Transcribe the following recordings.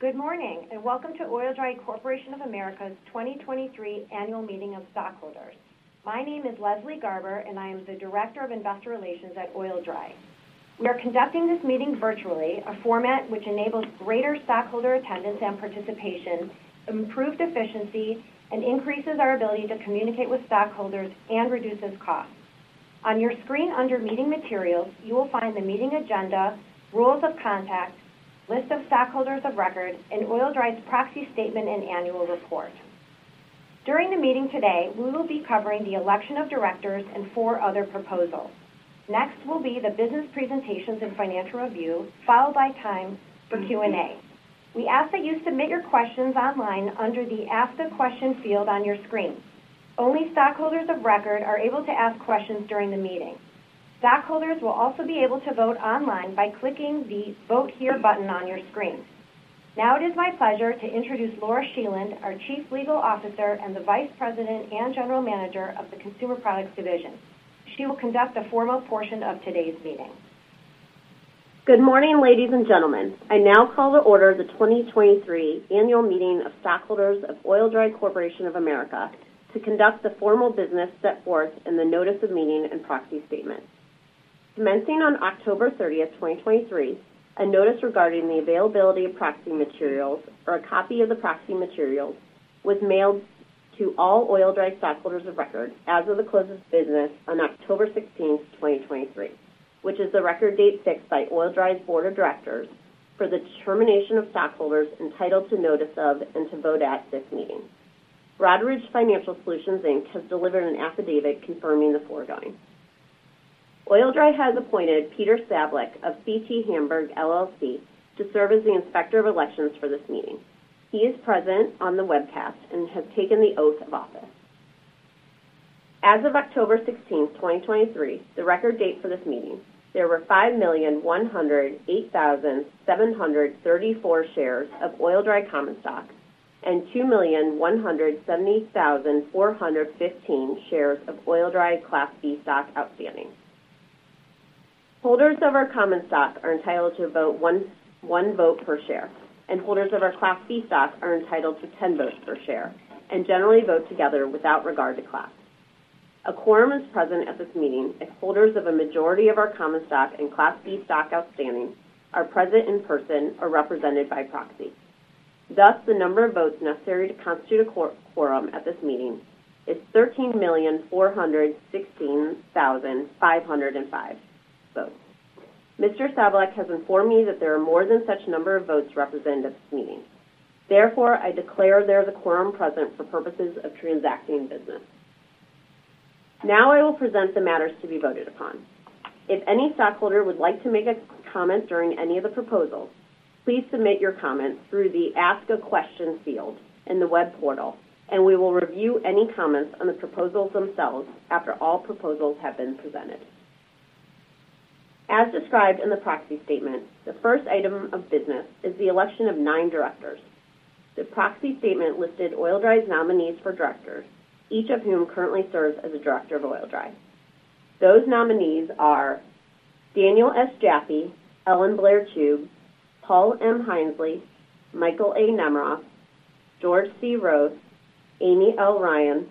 Good morning, and welcome to Oil-Dri Corporation of America's 2023 Annual Meeting of Stockholders. My name is Leslie Garber, and I am the Director of Investor Relations at Oil-Dri. We are conducting this meeting virtually, a format which enables greater stockholder attendance and participation, improved efficiency, and increases our ability to communicate with stockholders and reduces costs. On your screen under Meeting Materials, you will find the Meeting Agenda, Rules of Conduct, List of Stockholders of Record, and Oil-Dri's Proxy Statement and Annual Report. During the meeting today, we will be covering the Election of Directors and four other proposals. Next will be the business presentations and financial review, followed by time for Q&A. We ask that you submit your questions online under the Ask a Question field on your screen. Only stockholders of record are able to ask questions during the meeting. Stockholders will also be able to vote online by clicking the Vote Here button on your screen. Now it is my pleasure to introduce Laura Scheland, our Chief Legal Officer and the Vice President and General Manager of the Consumer Products Division. She will conduct the formal portion of today's meeting. Good morning, ladies and gentlemen. I now call to order the 2023 Annual Meeting of Stockholders of Oil-Dri Corporation of America to conduct the formal business set forth in the Notice of Meeting and Proxy Statement. Commencing on October 30th, 2023, a notice regarding the availability of Proxy Materials or a copy of the Proxy Materials was mailed to all Oil-Dri stockholders of record as of the closest business on October 16th, 2023, which is the record date fixed by Oil-Dri's Board of Directors for the determination of stockholders entitled to notice of and to vote at this meeting. Broadridge Financial Solutions Inc has delivered an affidavit confirming the foregoing. Oil-Dri has appointed Peter Sablich of CT Hagberg LLC to serve as the Inspector of Election for this meeting. He is present on the webcast and has taken the oath of office. As of October 16th, 2023, the record date for this meeting, there were 5,108,734 shares of Oil-Dri common stock and 2,170,415 shares of Oil-Dri Class B stock outstanding. Holders of our common stock are entitled to one vote per share, and holders of our Class B stock are entitled to 10 votes per share and generally vote together without regard to class. A quorum is present at this meeting if holders of a majority of our common stock and Class B stock outstanding are present in person or represented by proxy. Thus, the number of votes necessary to constitute a quorum at this meeting is 13,416,505 votes. Mr. Sablich has informed me that there are more than such number of votes represented at this meeting. Therefore, I declare there the quorum present for purposes of transacting business. Now, I will present the matters to be voted upon. If any stockholder would like to make a comment during any of the proposals, please submit your comment through the Ask a Question field in the web portal, and we will review any comments on the proposals themselves after all proposals have been presented. As described in the Proxy Statement, the first item of business is the Election of Nine Directors. The Proxy Statement listed Oil-Dri's Nominees for Directors, each of whom currently serves as a director of Oil-Dri. Those nominees are Daniel S. Jaffee, Ellen-Blair Chube, Paul M. Hindsley, Michael A. Nemeroff, George C. Roeth, Amy L. Ryan,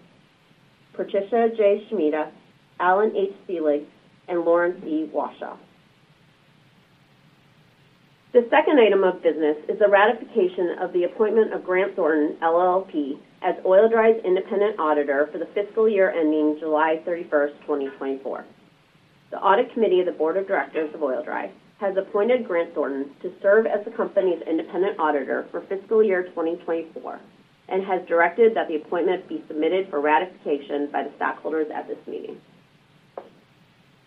Patricia J. Schmeda, Allan H. Selig, and Lawrence E. Washow. The second item of business is the ratification of the appointment of Grant Thornton LLP as Oil-Dri's independent auditor for the fiscal year ending July 31st, 2024. The Audit Committee of the Board of Directors of Oil-Dri has appointed Grant Thornton to serve as the company's independent auditor for fiscal year 2024 and has directed that the appointment be submitted for ratification by the stockholders at this meeting.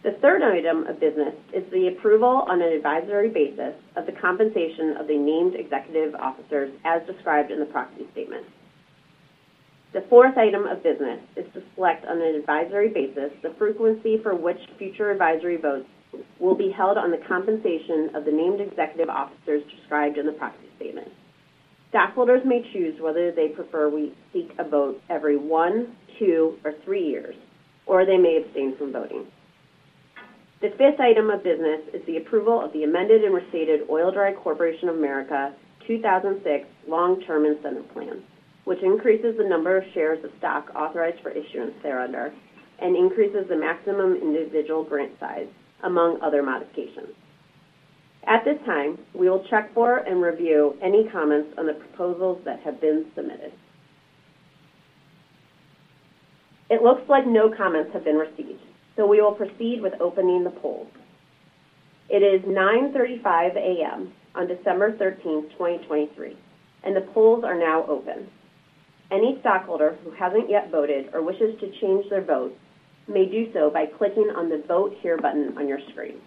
The third item of business is the approval on an advisory basis of the compensation of the named executive officers as described in the Proxy Statement. The fourth item of business is to select, on an advisory basis, the frequency for which future advisory votes will be held on the compensation of the named executive officers described in the Proxy Statement. Stockholders may choose whether they prefer we seek a vote every one, two, or three years, or they may abstain from voting. The fifth item of business is the approval of the Amended and Restated Oil-Dri Corporation of America 2006 Long-Term Incentive Plan, which increases the number of shares of stock authorized for issuance thereunder and increases the maximum individual grant size, among other modifications. At this time, we will check for and review any comments on the proposals that have been submitted. It looks like no comments have been received, so we will proceed with opening the polls. It is 9:35 A.M. on December 13th, 2023, and the polls are now open. Any stockholder who hasn't yet voted or wishes to change their vote may do so by clicking on the Vote Here button on your screen.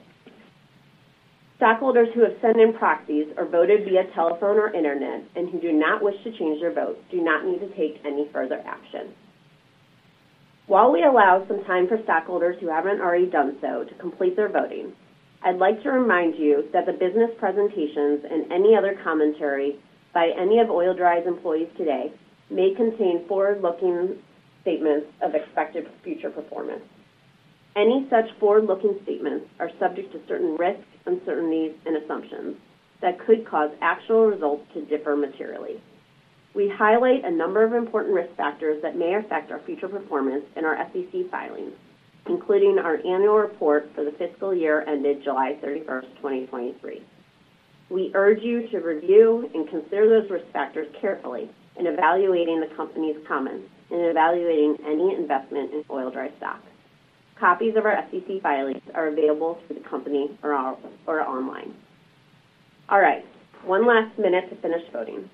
Stockholders who have sent in proxies or voted via telephone or internet and who do not wish to change their votes, do not need to take any further action. While we allow some time for stockholders who haven't already done so to complete their voting, I'd like to remind you that the business presentations and any other commentary by any of Oil-Dri's employees today may contain forward-looking statements of expected future performance. Any such forward-looking statements are subject to certain risks, uncertainties, and assumptions that could cause actual results to differ materially. We highlight a number of important risk factors that may affect our future performance in our SEC filings, including our Annual Report for the fiscal year ended July 31st, 2023. We urge you to review and consider those risk factors carefully in evaluating the company's comments, in evaluating any investment in Oil-Dri stock. Copies of our SEC filings are available through the company or online. All right, one last minute to finish voting.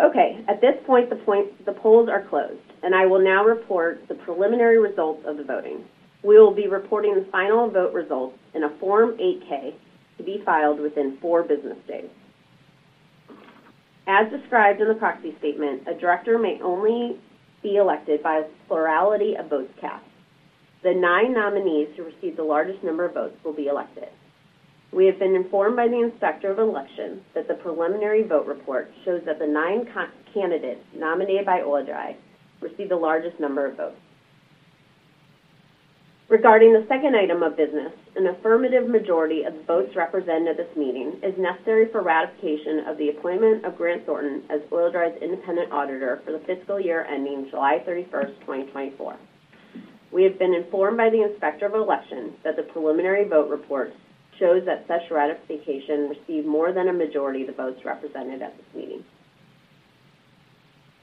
Okay, at this point, the polls are closed, and I will now report the preliminary results of the voting. We will be reporting the final vote results in a Form 8-K to be filed within four business days. As described in the Proxy Statement, a director may only be elected by a plurality of votes cast. The nine nominees who received the largest number of votes will be elected. We have been informed by the Inspector of Election that the preliminary vote report shows that the nine candidates nominated by Oil-Dri received the largest number of votes. Regarding the second item of business, an affirmative majority of the votes represented at this meeting is necessary for ratification of the appointment of Grant Thornton as Oil-Dri's independent auditor for the fiscal year ending July 31st, 2024. We have been informed by the Inspector of Election that the preliminary vote report shows that such ratification received more than a majority of the votes represented at this meeting.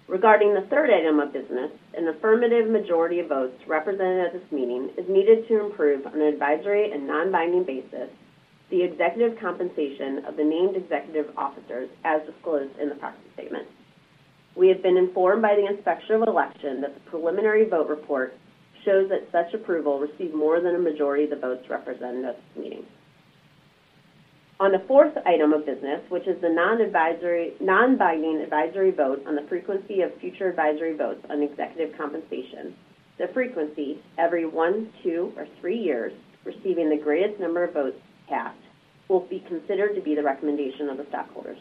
Regarding the third item of business, an affirmative majority of votes represented at this meeting is needed to approve on an advisory and non-binding basis, the executive compensation of the named executive officers as disclosed in the Proxy Statement. We have been informed by the Inspector of Election that the preliminary vote report shows that such approval received more than a majority of the votes represented at this meeting. On the fourth item of business, which is the non-binding advisory vote on the frequency of future advisory votes on executive compensation, the frequency every one, two, or three years, receiving the greatest number of votes cast, will be considered to be the recommendation of the stockholders.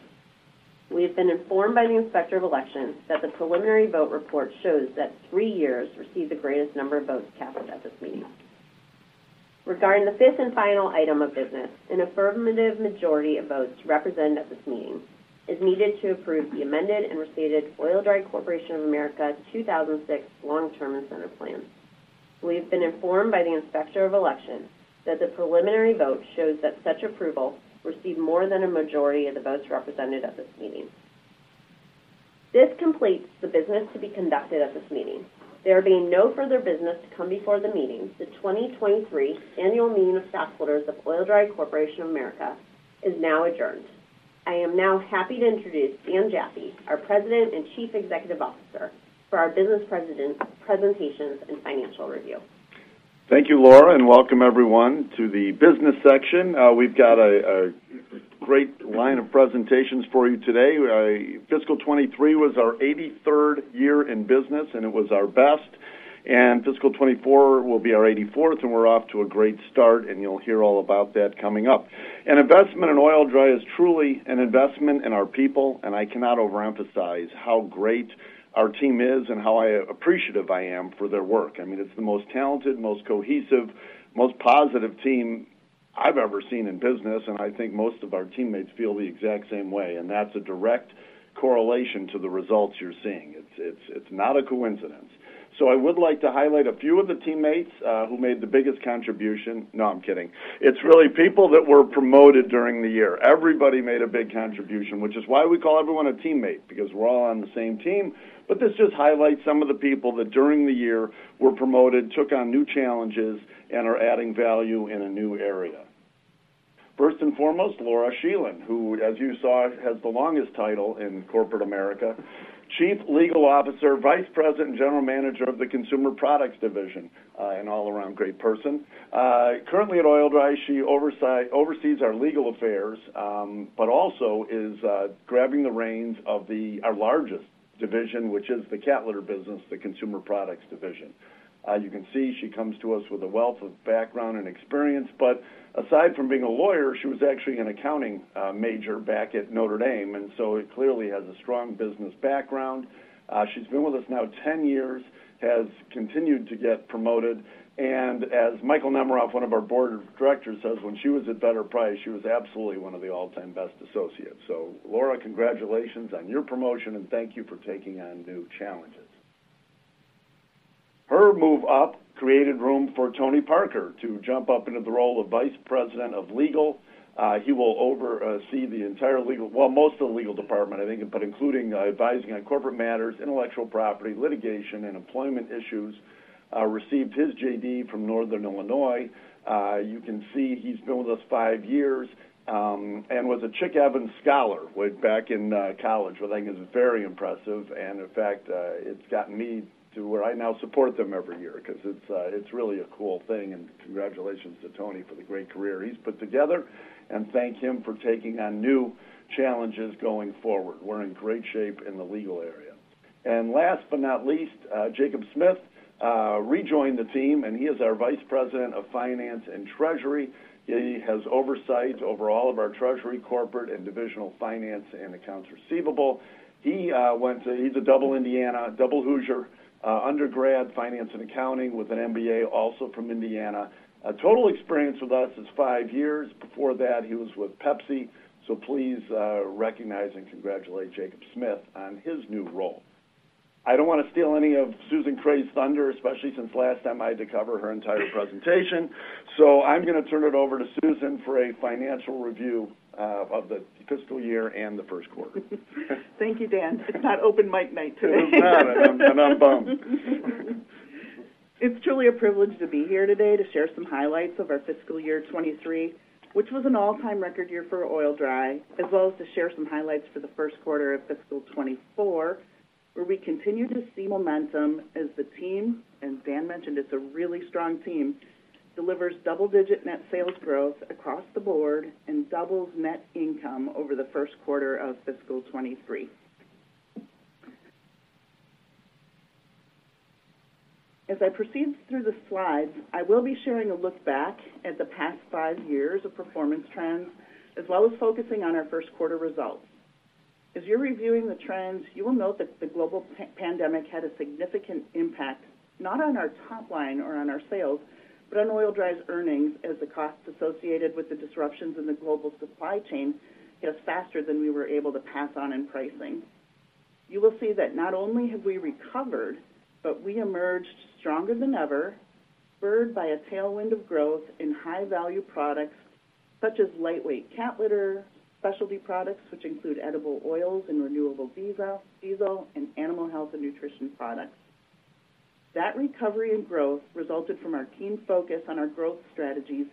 We have been informed by the Inspector of Election that the preliminary vote report shows that three years received the greatest number of votes cast at this meeting. Regarding the fifth and final item of business, an affirmative majority of votes represented at this meeting is needed to approve the Amended and Restated Oil-Dri Corporation of America 2006 Long-Term Incentive Plan. We have been informed by the Inspector of Election that the preliminary vote shows that such approval received more than a majority of the votes represented at this meeting. This completes the business to be conducted at this meeting. There being no further business to come before the meeting, the 2023 Annual Meeting of Stockholders of Oil-Dri Corporation of America is now adjourned. I am now happy to introduce Dan Jaffee, our President and Chief Executive Officer, for our business presentation and financial review. Thank you, Laura, and welcome everyone to the business section. We've got a great line of presentations for you today. Fiscal 2023 was our 83rd year in business, and it was our best, and fiscal 2024 will be our 84th, and we're off to a great start, and you'll hear all about that coming up. An investment in Oil-Dri is truly an investment in our people, and I cannot overemphasize how great our team is and how appreciative I am for their work. I mean, it's the most talented, most cohesive, most positive team I've ever seen in business, and I think most of our teammates feel the exact same way, and that's a direct correlation to the results you're seeing. It's not a coincidence. So I would like to highlight a few of the teammates who made the biggest contribution. No, I'm kidding. It's really people that were promoted during the year. Everybody made a big contribution, which is why we call everyone a teammate, because we're all on the same team. But this just highlights some of the people that during the year, were promoted, took on new challenges, and are adding value in a new area. First and foremost, Laura Scheland, who, as you saw, has the longest title in corporate America. Chief Legal Officer, Vice President, and General Manager of the Consumer Products Division, an all-around great person. Currently at Oil-Dri, she oversees our legal affairs, but also is grabbing the reins of our largest division, which is the cat litter business, the consumer products division. You can see she comes to us with a wealth of background and experience, but aside from being a lawyer, she was actually an accounting major back at Notre Dame, and so she clearly has a strong business background. She's been with us now 10 years, has continued to get promoted, and as Michael Nemeroff, one of our Board of Directors, says when she was at Vedder Price, she was absolutely one of the all-time best associates. So Laura, congratulations on your promotion, and thank you for taking on new challenges. Her move up created room for Tony Parker to jump up into the role of Vice President of Legal. He will oversee the entire legal, well, most of the legal department, I think, but including advising on corporate matters, intellectual property, litigation, and employment issues. Received his J.D. from Northern Illinois. You can see he's been with us five years, and was a Chick Evans scholar way back in college, which I think is very impressive, and in fact, it's gotten me to where I now support them every year 'cause it's really a cool thing, and congratulations to Tony for the great career he's put together, and thank him for taking on new challenges going forward. We're in great shape in the legal area. And last but not least, Jacob Smith rejoined the team, and he is our Vice President of Finance and Treasury. He has oversight over all of our treasury, corporate, and divisional finance and accounts receivable. He's a double Indiana, double Hoosier, undergrad, finance and accounting with an MBA, also from Indiana. Total experience with us is five years. Before that, he was with Pepsi. So please, recognize and congratulate Jacob Smith on his new role. I don't want to steal any of Susan Kreh's thunder, especially since last time I had to cover her entire presentation. So I'm gonna turn it over to Susan for a financial review of the fiscal year and the first quarter. Thank you, Dan. It's not open mic night today. It's not, and I'm bummed. It's truly a privilege to be here today to share some highlights of our fiscal year 2023, which was an all-time record year for Oil-Dri, as well as to share some highlights for the first quarter of fiscal 2024, where we continue to see momentum as the team, and Dan mentioned it's a really strong team, delivers double-digit net sales growth across the board and doubles net income over the first quarter of fiscal 2023. As I proceed through the slides, I will be sharing a look back at the past five years of performance trends, as well as focusing on our first quarter results. As you're reviewing the trends, you will note that the global pandemic had a significant impact, not on our top line or on our sales, but on Oil-Dri's earnings, as the costs associated with the disruptions in the global supply chain hit us faster than we were able to pass on in pricing. You will see that not only have we recovered, but we emerged stronger than ever, spurred by a tailwind of growth in high-value products such as lightweight cat litter, specialty products, which include edible oils and renewable diesel, diesel and animal health and nutrition products. That recovery and growth resulted from our keen focus on our growth strategies,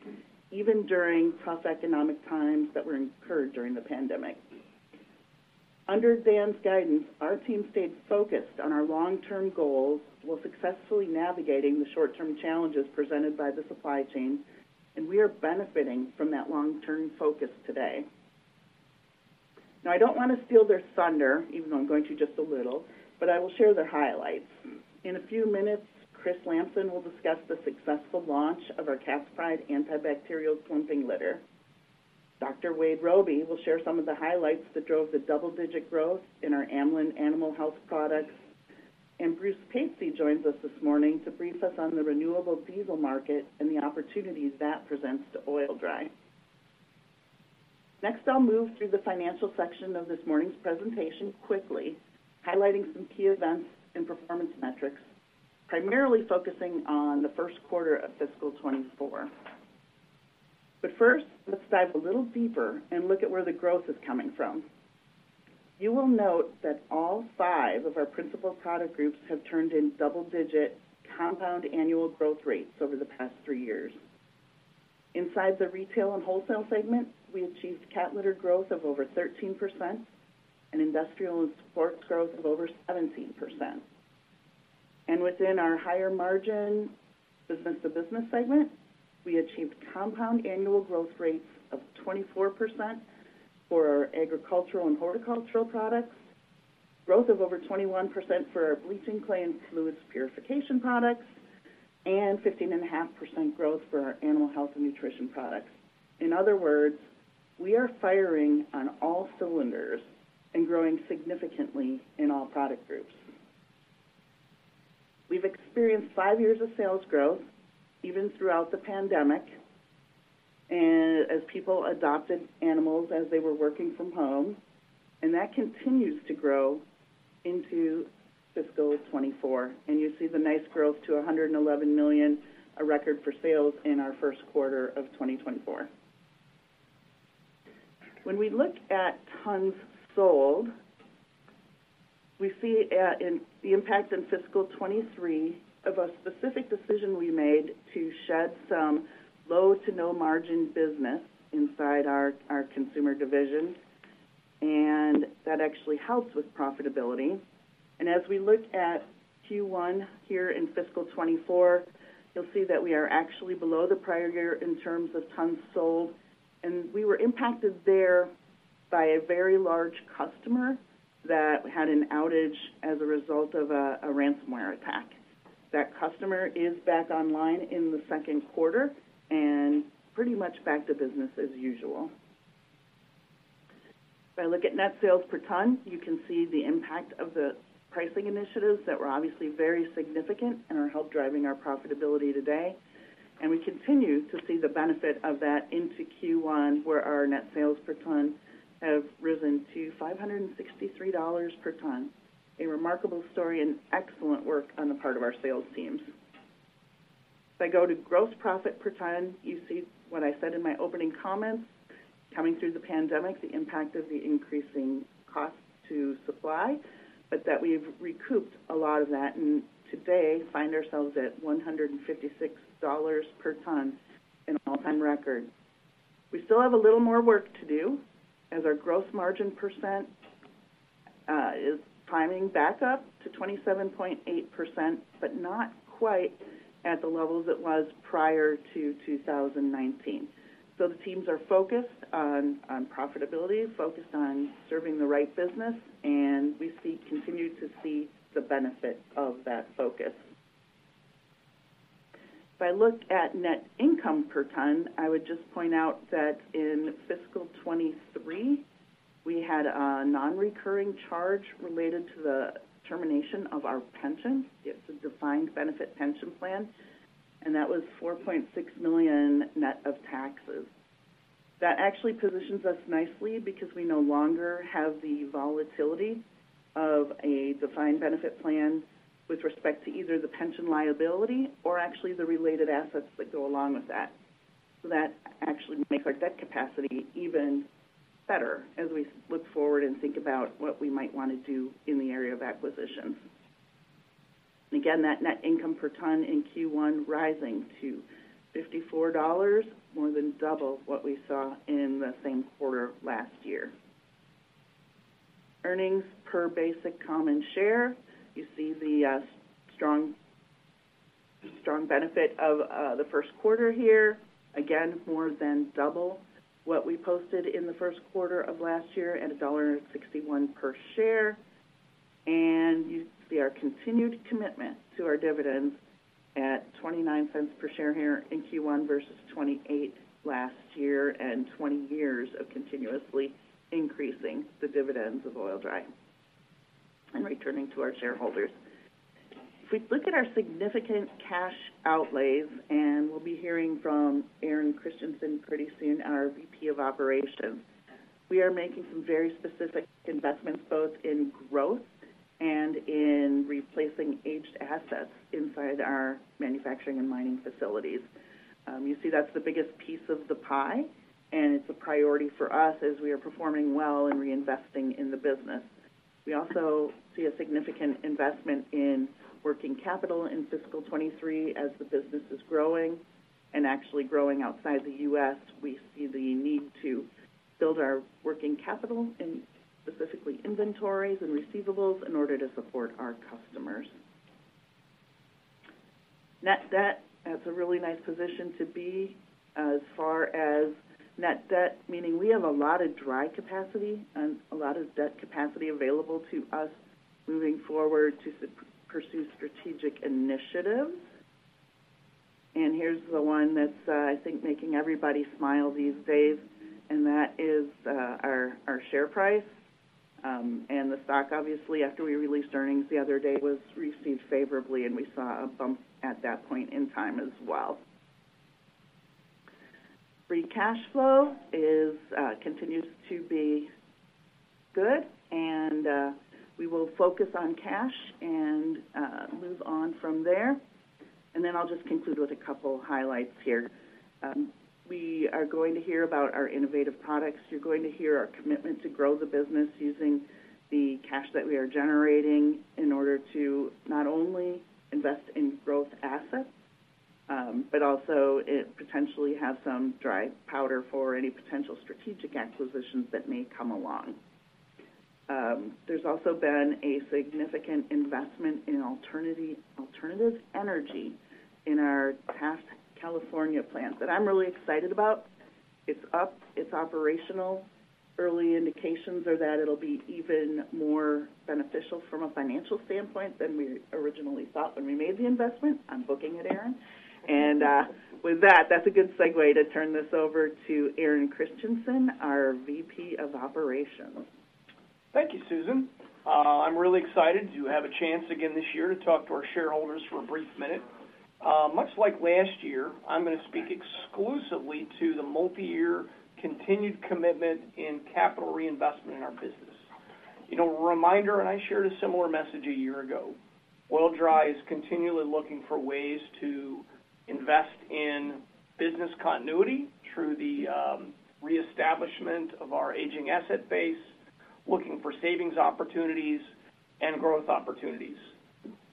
even during tough economic times that were incurred during the pandemic. Under Dan's guidance, our team stayed focused on our long-term goals while successfully navigating the short-term challenges presented by the supply chain, and we are benefiting from that long-term focus today. Now, I don't want to steal their thunder, even though I'm going to just a little, but I will share the highlights. In a few minutes, Chris Lamson will discuss the successful launch of our Cat's Pride antibacterial clumping litter. Dr. Wade Robey will share some of the highlights that drove the double-digit growth in our Amlan Animal Health products. Bruce Patsey joins us this morning to brief us on the renewable diesel market and the opportunities that presents to Oil-Dri. Next, I'll move through the financial section of this morning's presentation quickly, highlighting some key events and performance metrics, primarily focusing on the first quarter of fiscal 2024. But first, let's dive a little deeper and look at where the growth is coming from. You will note that all five of our principal product groups have turned in double-digit compound annual growth rates over the past three years. Inside the retail and wholesale segment, we achieved cat litter growth of over 13% and industrial and sports growth of over 17%. And within our higher-margin business-to-business segment, we achieved compound annual growth rates of 24% for our agricultural and horticultural products, growth of over 21% for our bleaching clay and fluids purification products, and 15.5% growth for our animal health and nutrition products. In other words, we are firing on all cylinders and growing significantly in all product groups. We've experienced five years of sales growth, even throughout the pandemic, and as people adopted animals as they were working from home, and that continues to grow into fiscal 2024. And you see the nice growth to $111 million, a record for sales in our first quarter of 2024. When we look at tons sold, we see in the impact in fiscal 2023 of a specific decision we made to shed some low to no margin business inside our consumer division, and that actually helps with profitability. And as we look at Q1 here in fiscal 2024, you'll see that we are actually below the prior year in terms of tons sold. And we were impacted there by a very large customer that had an outage as a result of a ransomware attack. That customer is back online in the second quarter and pretty much back to business as usual. If I look at net sales per ton, you can see the impact of the pricing initiatives that were obviously very significant and are helping drive our profitability today. We continue to see the benefit of that into Q1, where our net sales per ton have risen to $563 per ton. A remarkable story and excellent work on the part of our sales teams. If I go to gross profit per ton, you see what I said in my opening comments. Coming through the pandemic, the impact of the increasing cost to supply, but that we've recouped a lot of that, and today find ourselves at $156 per ton, an all-time record. We still have a little more work to do, as our gross margin percent is climbing back up to 27.8%, but not quite at the levels it was prior to 2019. So the teams are focused on, on profitability, focused on serving the right business, and we see, continue to see the benefit of that focus. If I look at net income per ton, I would just point out that in fiscal 2023, we had a non-recurring charge related to the termination of our pension. It's a defined benefit pension plan, and that was $4.6 million net of taxes. That actually positions us nicely because we no longer have the volatility of a defined benefit plan with respect to either the pension liability or actually the related assets that go along with that. So that actually makes our debt capacity even better as we look forward and think about what we might want to do in the area of acquisitions. Again, that net income per ton in Q1 rising to $54, more than double what we saw in the same quarter last year. Earnings per basic common share. You see the strong, strong benefit of the first quarter here. Again, more than double what we posted in the first quarter of last year at $1.61 per share. And you see our continued commitment to our dividends at $0.29 per share here in Q1 versus $0.28 last year, and 20 years of continuously increasing the dividends of Oil-Dri and returning to our shareholders. If we look at our significant cash outlays, and we'll be hearing from Aaron Christensen pretty soon, our VP of Operations, we are making some very specific investments, both in growth and in replacing aged assets inside our manufacturing and mining facilities. You see, that's the biggest piece of the pie, and it's a priority for us as we are performing well and reinvesting in the business. We also see a significant investment in working capital in fiscal 2023. As the business is growing and actually growing outside the U.S., we see the need to build our working capital and specifically inventories and receivables in order to support our customers. Net debt, that's a really nice position to be as far as net debt, meaning we have a lot of dry capacity and a lot of debt capacity available to us moving forward to pursue strategic initiatives. And here's the one that's, I think, making everybody smile these days, and that is, our, our share price. And the stock, obviously, after we released earnings the other day, was received favorably, and we saw a bump at that point in time as well. Free cash flow is, continues to be good, and, we will focus on cash and, move on from there. And then I'll just conclude with a couple highlights here. We are going to hear about our innovative products. You're going to hear our commitment to grow the business using the cash that we are generating in order to not only invest in growth assets, but also it potentially have some dry powder for any potential strategic acquisitions that may come along. There's also been a significant investment in alternative energy in our Taft, California plant that I'm really excited about. It's up, it's operational. Early indications are that it'll be even more beneficial from a financial standpoint than we originally thought when we made the investment. I'm booking it, Aaron. And, with that, that's a good segue to turn this over to Aaron Christensen, our VP of Operations. Thank you, Susan. I'm really excited to have a chance again this year to talk to our shareholders for a brief minute. Much like last year, I'm going to speak exclusively to the multi-year continued commitment in capital reinvestment in our business. You know, a reminder, and I shared a similar message a year ago, Oil-Dri is continually looking for ways to invest in business continuity through the reestablishment of our aging asset base, looking for savings opportunities and growth opportunities.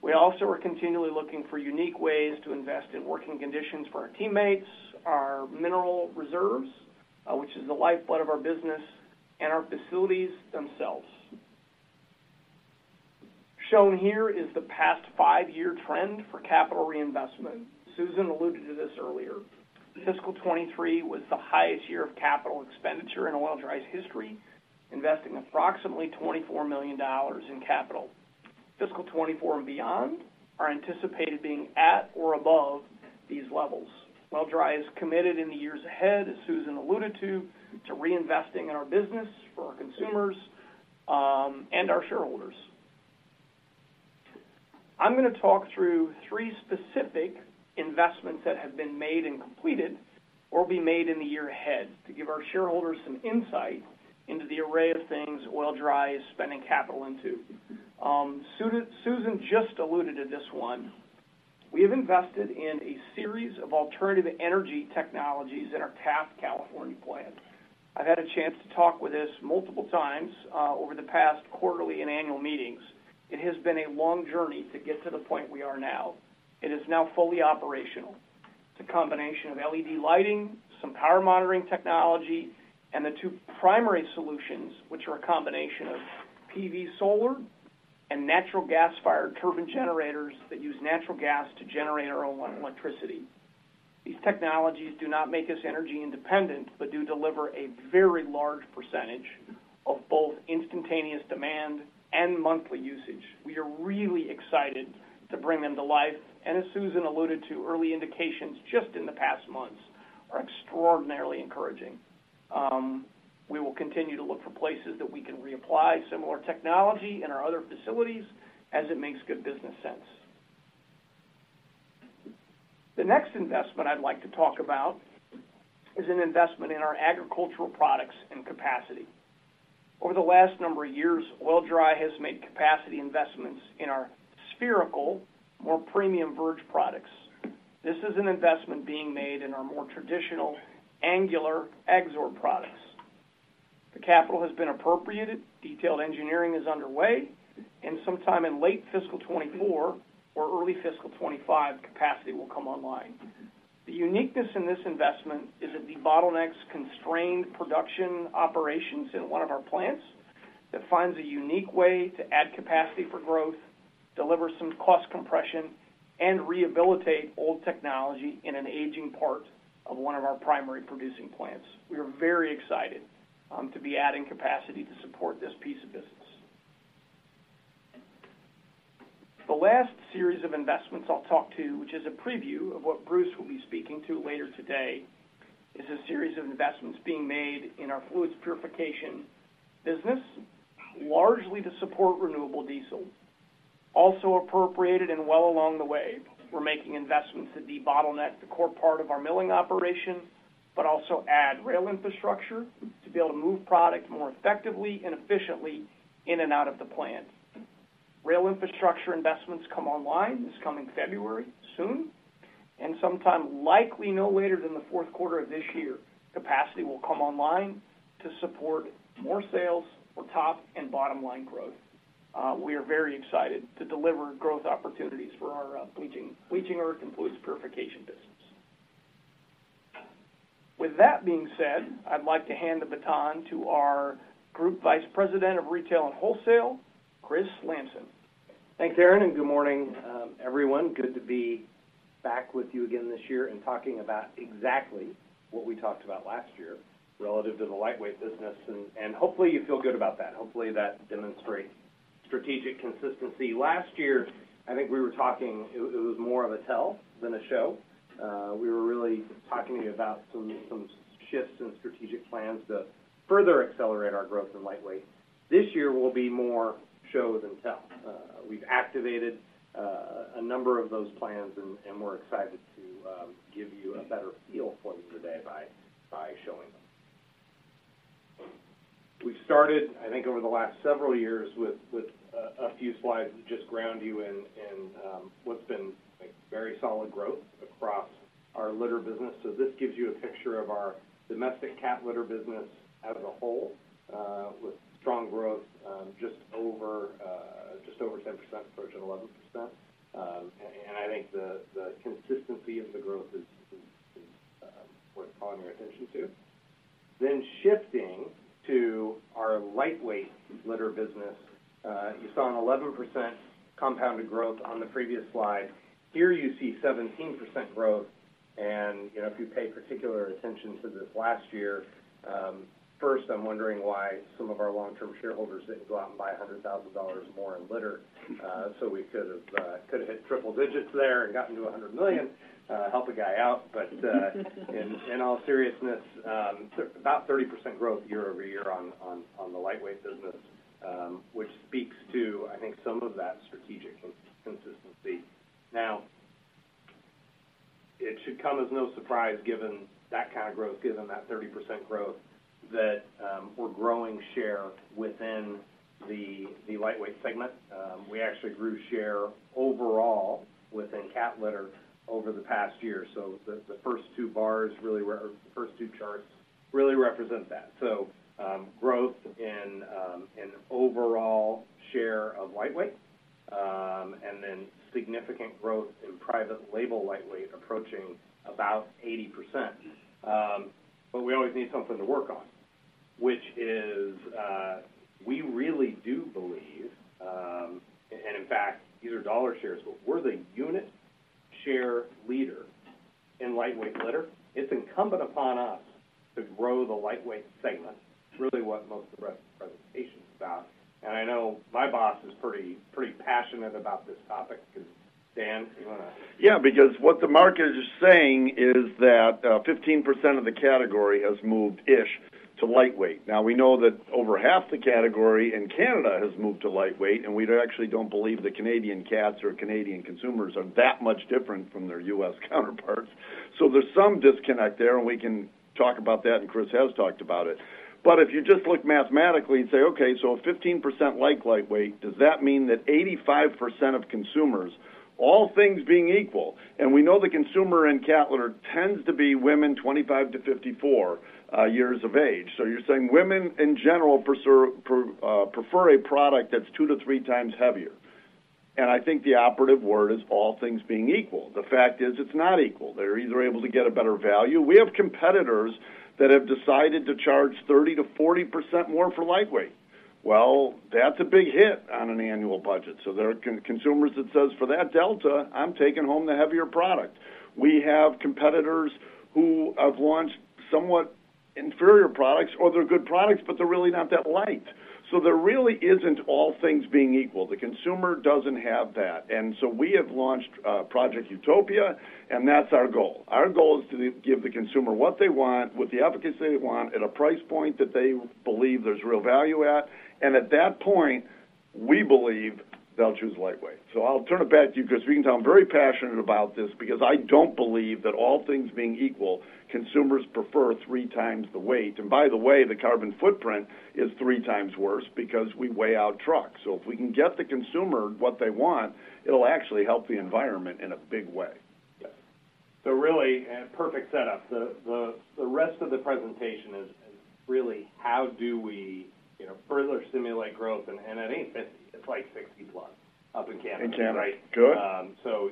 We also are continually looking for unique ways to invest in working conditions for our teammates, our mineral reserves, which is the lifeblood of our business, and our facilities themselves. Shown here is the past five-year trend for capital reinvestment. Susan alluded to this earlier. Fiscal 2023 was the highest year of capital expenditure in Oil-Dri's history, investing approximately $24 million in capital. Fiscal 2024 and beyond are anticipated being at or above these levels. Oil-Dri is committed in the years ahead, as Susan alluded to, to reinvesting in our business for our consumers and our shareholders. I'm gonna talk through three specific investments that have been made and completed or will be made in the year ahead, to give our shareholders some insight into the array of things Oil-Dri is spending capital into. Susan just alluded to this one. We have invested in a series of alternative energy technologies in our Taft, California plant. I've had a chance to talk with this multiple times over the past quarterly and annual meetings. It has been a long journey to get to the point we are now. It is now fully operational. It's a combination of LED lighting, some power monitoring technology, and the two primary solutions, which are a combination of PV solar and natural gas-fired turbine generators that use natural gas to generate our own electricity. These technologies do not make us energy independent, but do deliver a very large percentage of both instantaneous demand and monthly usage. We are really excited to bring them to life, and as Susan alluded to, early indications just in the past months are extraordinarily encouraging. We will continue to look for places that we can reapply similar technology in our other facilities as it makes good business sense. The next investment I'd like to talk about is an investment in our agricultural products and capacity. Over the last number of years, Oil-Dri has made capacity investments in our spherical, more premium Verge products. This is an investment being made in our more traditional angular Agsorb products. The capital has been appropriated, detailed engineering is underway, and sometime in late fiscal 2024 or early fiscal 2025, capacity will come online. The uniqueness in this investment is that the bottlenecks constrained production operations in one of our plants that finds a unique way to add capacity for growth, deliver some cost compression, and rehabilitate old technology in an aging part of one of our primary producing plants. We are very excited to be adding capacity to support this piece of business. The last series of investments I'll talk to, which is a preview of what Bruce will be speaking to later today, is a series of investments being made in our fluids purification business, largely to support renewable diesel. Also appropriated and well along the way, we're making investments to debottleneck the core part of our milling operation, but also add rail infrastructure to be able to move product more effectively and efficiently in and out of the plant. Rail infrastructure investments come online this coming February, soon, and sometime likely no later than the fourth quarter of this year. Capacity will come online to support more sales for top and bottom line growth. We are very excited to deliver growth opportunities for our, bleaching, bleaching earth and fluids purification business. With that being said, I'd like to hand the baton to our Group Vice President of Retail and Wholesale, Chris Lamson. Thanks, Aaron, and good morning, everyone. Good to be back with you again this year and talking about exactly what we talked about last year relative to the lightweight business, and hopefully you feel good about that. Hopefully, that demonstrates strategic consistency. Last year, I think we were talking, it was more of a tell than a show. We were really talking to you about some shifts in strategic plans to further accelerate our growth in lightweight. This year will be more show than tell. We've activated a number of those plans, and we're excited to give you a better feel for them today by showing them. We started, I think, over the last several years with a few slides to just ground you in what's been a very solid growth across our litter business. So this gives you a picture of our domestic cat litter business as a whole, with strong growth, just over 10%, approaching 11%. And I think the consistency of the growth is worth calling your attention to. Then shifting to our lightweight litter business, you saw an 11% compounded growth on the previous slide. Here you see 17% growth, and, you know, if you pay particular attention to this last year, first, I'm wondering why some of our long-term shareholders didn't go out and buy $100,000 more in litter, so we could have hit triple digits there and gotten to $100 million. Help a guy out. But in all seriousness, about 30% growth year-over-year on the lightweight business, which speaks to, I think, some of that strategic consistency. Now, it should come as no surprise, given that kind of growth, given that 30% growth, that we're growing share within the lightweight segment. We actually grew share overall within cat litter over the past year. So the first two bars, really, or the first two charts really represent that. So, growth in overall share of lightweight, and then significant growth in private label lightweight, approaching about 80%. But we always need something to work on, which is, we really do believe, and in fact, these are dollar shares, but we're the unit share leader in lightweight litter. It's incumbent upon us to grow the lightweight segment. It's really what most of the rest of the presentation is about. And I know my boss is pretty passionate about this topic. So, Dan, you want to? Yeah, because what the market is saying is that 15% of the category has moved-ish to lightweight. Now, we know that over half the category in Canada has moved to lightweight, and we actually don't believe the Canadian cats or Canadian consumers are that much different from their U.S. counterparts. So there's some disconnect there, and we can talk about that, and Chris has talked about it. But if you just look mathematically and say, "Okay, so if 15% like lightweight, does that mean that 85% of consumers, all things being equal," and we know the consumer in cat litter tends to be women 25 to 54 years of age. So you're saying women in general prefer a product that's two to three times heavier? I think the operative word is, all things being equal. The fact is, it’s not equal. They’re either able to get a better value. We have competitors that have decided to charge 30%-40% more for lightweight. Well, that’s a big hit on an annual budget. So there are consumers that says, "For that delta, I’m taking home the heavier product." We have competitors who have launched somewhat inferior products, or they’re good products, but they’re really not that light. So there really isn’t all things being equal. The consumer doesn’t have that. And so we have launched Project Utopia, and that’s our goal. Our goal is to give the consumer what they want with the attributes they want, at a price point that they believe there’s real value at. And at that point, we believe they’ll choose lightweight. I'll turn it back to you, Chris, because I'm very passionate about this, because I don't believe that all things being equal, consumers prefer three times the weight. By the way, the carbon footprint is three times worse because we weigh out trucks. If we can get the consumer what they want, it'll actually help the environment in a big way. Yes. So really, a perfect setup. The rest of the presentation is really how do we, you know, further stimulate growth? And it ain't 50, it's like 60+ up in Canada. In Canada. Good.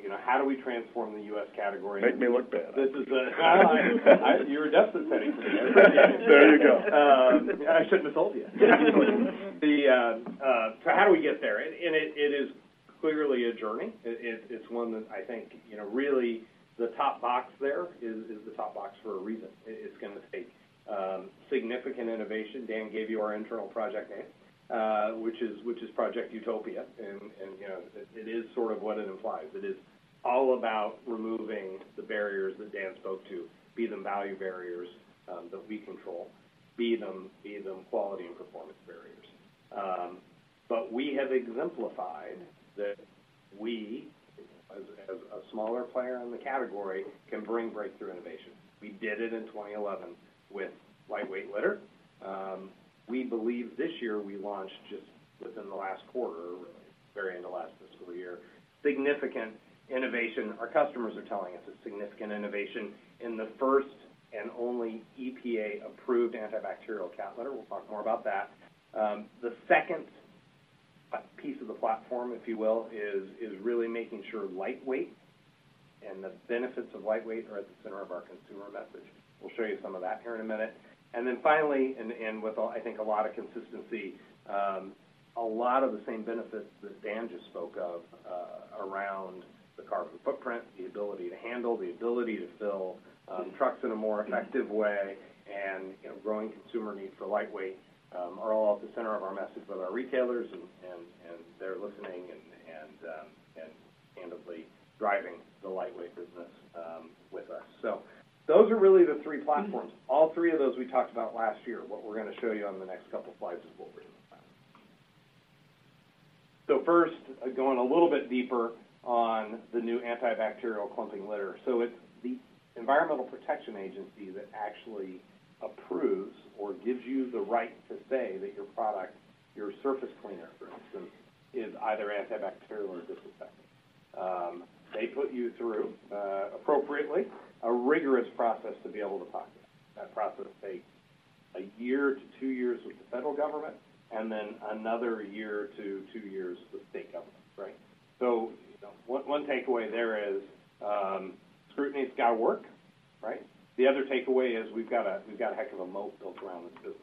You know, how do we transform the U.S. category? Make me look bad. You were just the setting for me. There you go. I shouldn't have told you. So how do we get there? And it is clearly a journey. It's one that I think, you know, really the top box there is the top box for a reason. It's gonna take significant innovation. Dan gave you our internal project name, which is Project Utopia, and you know, it is sort of what it implies. It is all about removing the barriers that Dan spoke to, be them value barriers that we control, be them quality and performance barriers. But we have exemplified that we, as a smaller player in the category, can bring breakthrough innovation. We did it in 2011 with lightweight litter. We believe this year we launched just within the last quarter, very end of last fiscal year, significant innovation. Our customers are telling us it's significant innovation in the first and only EPA-approved antibacterial cat litter. We'll talk more about that. The second piece of the platform, if you will, is, is really making sure lightweight and the benefits of lightweight are at the center of our consumer message. We'll show you some of that here in a minute. And then finally, with, I think, a lot of consistency, a lot of the same benefits that Dan just spoke of, around the carbon footprint, the ability to handle, the ability to fill trucks in a more effective way, and growing consumer need for lightweight are all at the center of our message with our retailers, and they're listening and candidly driving the lightweight business with us. So those are really the three platforms. All three of those we talked about last year. What we're gonna show you on the next couple of slides is what we're gonna find. So first, going a little bit deeper on the new antibacterial clumping litter. So it's the Environmental Protection Agency that actually approves or gives you the right to say that your product, your surface cleaner, for instance, is either antibacterial or disinfectant. They put you through, appropriately, a rigorous process to be able to pocket it. That process takes a year to two years with the federal government, and then another year to two years with the state government, right? So one takeaway there is scrutiny, it's gotta work, right? The other takeaway is we've got a, we've got a heck of a moat built around the scoop.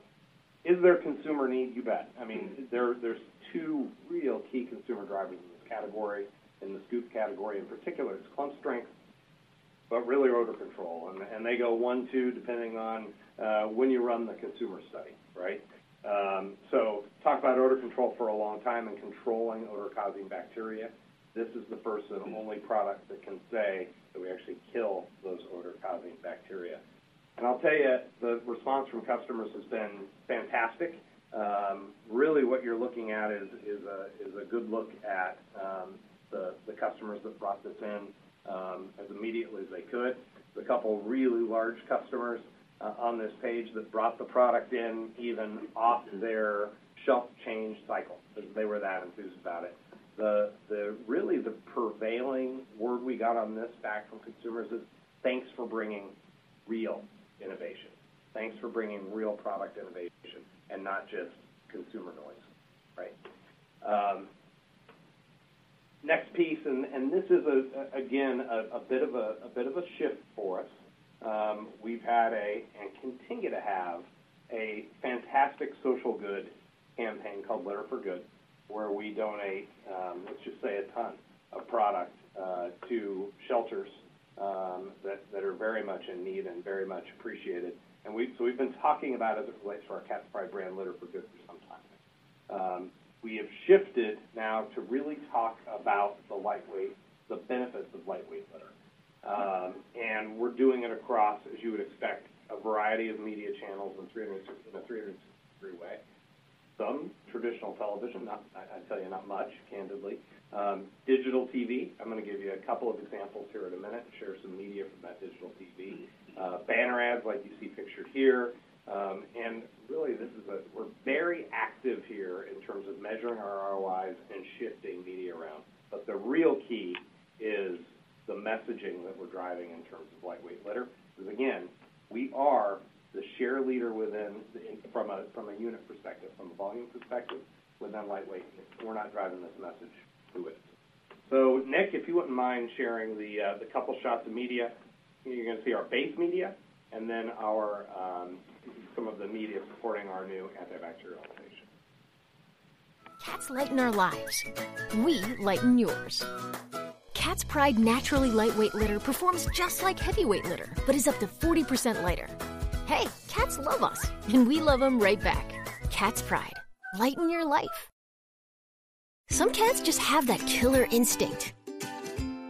Is there consumer need? You bet. I mean, there, there's two real key consumer drivers in this category, in the scoop category, in particular. It's clump strength, but really, odor control, and, and they go one, two, depending on when you run the consumer study, right? So talk about odor control for a long time and controlling odor-causing bacteria. This is the first and only product that can say that we actually kill those odor-causing bacteria. And I'll tell you, the response from customers has been fantastic. Really, what you're looking at is a good look at the customers that brought this in as immediately as they could. The couple of really large customers on this page that brought the product in, even off their shelf change cycle, they were that enthused about it. Really, the prevailing word we got on this back from consumers is, "Thanks for bringing real innovation. Thanks for bringing real product innovation and not just consumer noise." Right? Next piece, and this is, again, a bit of a shift for us. We've had a, and continue to have, a fantastic social good campaign called Litter for Good, where we donate, let's just say, a ton of product to shelters that are very much in need and very much appreciated. We've been talking about it as it relates to our Cat's Pride brand, Litter for Good, for some time. We have shifted now to really talk about the lightweight, the benefits of lightweight litter. We're doing it across, as you would expect, a variety of media channels in a 360 way. Some traditional television,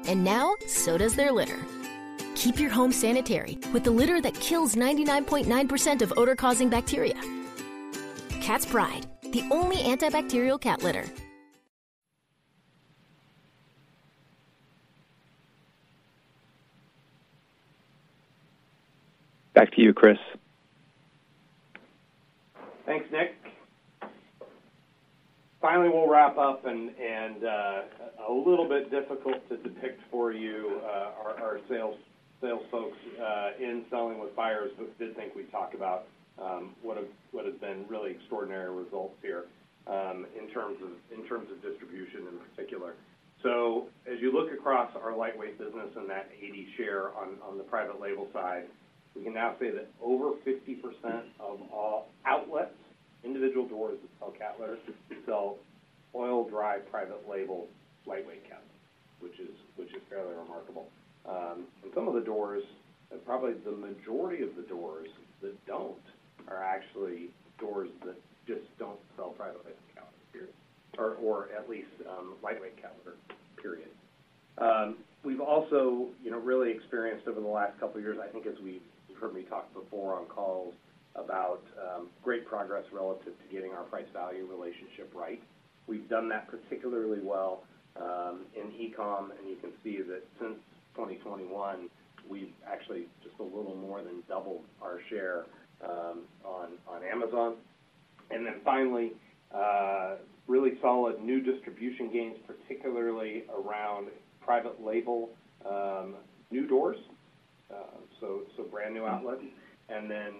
and now, so does their litter. Keep your home sanitary with the litter that kills 99.9% of odor-causing bacteria. Cat's Pride, the only antibacterial cat litter. Back to you, Chris. Thanks, Nick. Finally, we'll wrap up, and a little bit difficult to depict for you our sales folks in selling with buyers, but did think we'd talk about what has been really extraordinary results here in terms of distribution in particular. So as you look across our lightweight business and that 80% share on the private label side, we can now say that over 50% of all outlets, individual doors that sell cat litter, sell Oil-Dri private label lightweight cat, which is fairly remarkable. And some of the doors, and probably the majority of the doors that don't, are actually doors that just don't sell private label cat litter, or at least lightweight cat litter, period. We've also, you know, really experienced over the last couple of years, I think, as we've, you've heard me talk before on calls about great progress relative to getting our price-value relationship right. We've done that particularly well in e-com, and you can see that since 2021, we've actually just a little more than doubled our share on Amazon. And then finally, really solid new distribution gains, particularly around private label, new doors, so brand new outlets. And then,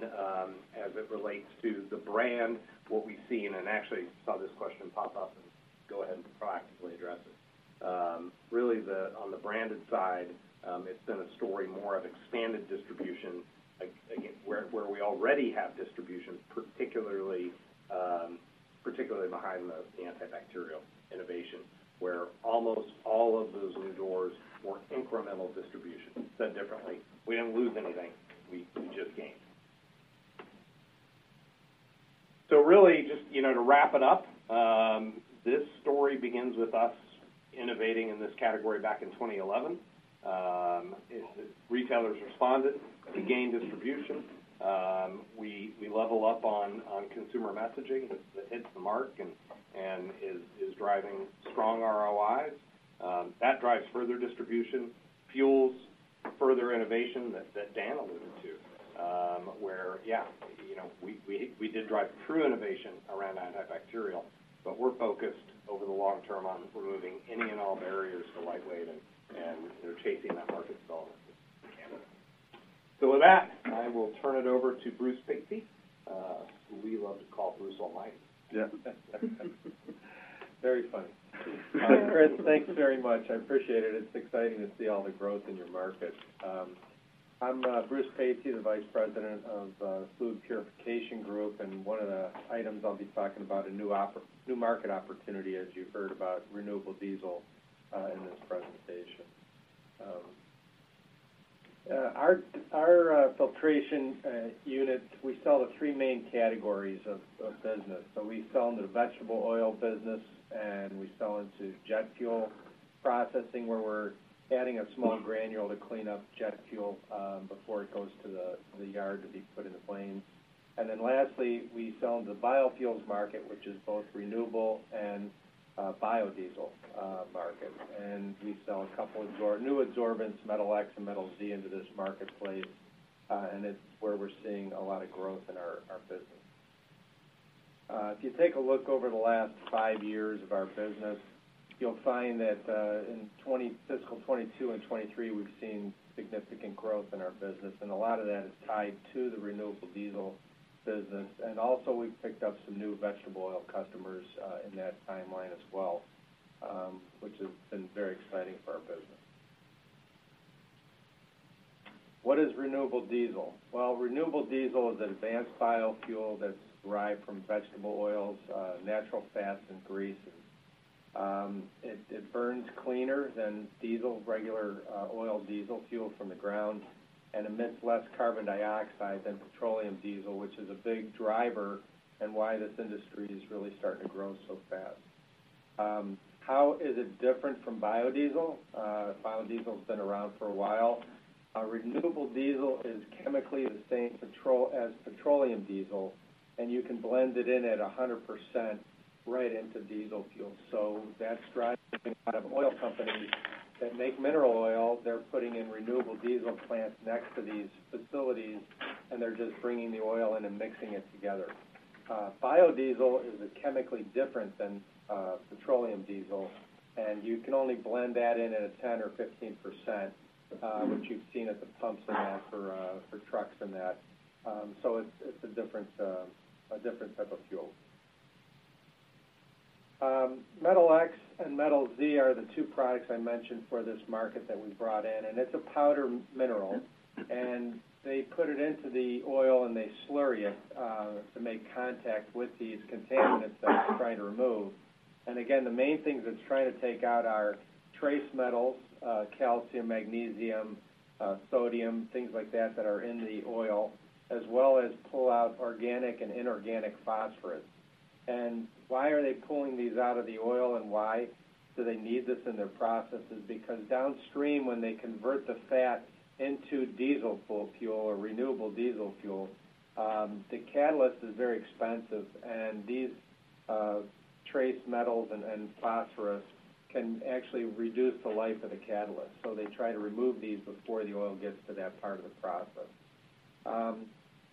as it relates to the brand, what we've seen, and actually saw this question pop up and go ahead and proactively address it. Really, the on the branded side, it's been a story more of expanded distribution, again, where we already have distribution, particularly, particularly behind the antibacterial innovation, where almost all of those new doors were incremental distribution. Said differently, we didn't lose anything, we just gained. So really, just you know, to wrap it up, this story begins with us innovating in this category back in 2011. Retailers responded. We gained distribution. We level up on consumer messaging that hits the mark and is driving strong ROIs. That drives further distribution, fuels further innovation that Dan alluded to, where, yeah, you know, we did drive true innovation around antibacterial, but we're focused over the long term on removing any and all barriers to lightweight and chasing that market development in Canada. With that, I will turn it over to Bruce Patsey, who we love to call Bruce Almighty. Yeah. Very funny. Chris, thanks very much. I appreciate it. It's exciting to see all the growth in your market. I'm Bruce Patsey, the Vice President of Fluids Purification Group, and one of the items I'll be talking about, a new market opportunity, as you heard about renewable diesel in this presentation. Our filtration unit, we sell the three main categories of business. So we sell into the vegetable oil business, and we sell into jet fuel processing, where we're adding a small granule to clean up jet fuel before it goes to the yard to be put in the plane. And then lastly, we sell in the biofuels market, which is both renewable and biodiesel market. We sell a couple of our new absorbents, Metal-X and Metal-Z, into this marketplace, and it's where we're seeing a lot of growth in our business. If you take a look over the last five years of our business, you'll find that in fiscal 2022 and 2023, we've seen significant growth in our business, and a lot of that is tied to the renewable diesel business. And also, we've picked up some new vegetable oil customers in that timeline as well, which has been very exciting for our business. What is renewable diesel? Well, renewable diesel is an advanced biofuel that's derived from vegetable oils, natural fats and greases. It burns cleaner than diesel, regular, oil diesel fuel from the ground, and emits less carbon dioxide than petroleum diesel, which is a big driver in why this industry is really starting to grow so fast. How is it different from biodiesel? Biodiesel has been around for a while. A renewable diesel is chemically the same as petroleum diesel, and you can blend it in at 100% right into diesel fuel. So that's driving a lot of oil companies that make mineral oil, they're putting in renewable diesel plants next to these facilities, and they're just bringing the oil in and mixing it together. Biodiesel is chemically different than petroleum diesel, and you can only blend that in at 10% or 15%, which you've seen at the pumps and that for trucks and that. So it's a different type of fuel. Metal-X and Metal-Z are the two products I mentioned for this market that we brought in, and it's a powder mineral, and they put it into the oil, and they slurry it to make contact with these contaminants that they're trying to remove. And again, the main things it's trying to take out are trace metals, calcium, magnesium, sodium, things like that, that are in the oil, as well as pull out organic and inorganic phosphorus. And why are they pulling these out of the oil, and why do they need this in their processes? Because downstream, when they convert the fat into diesel fuel, fuel or renewable diesel fuel, the catalyst is very expensive, and these, trace metals and, and phosphorus can actually reduce the life of the catalyst, so they try to remove these before the oil gets to that part of the process.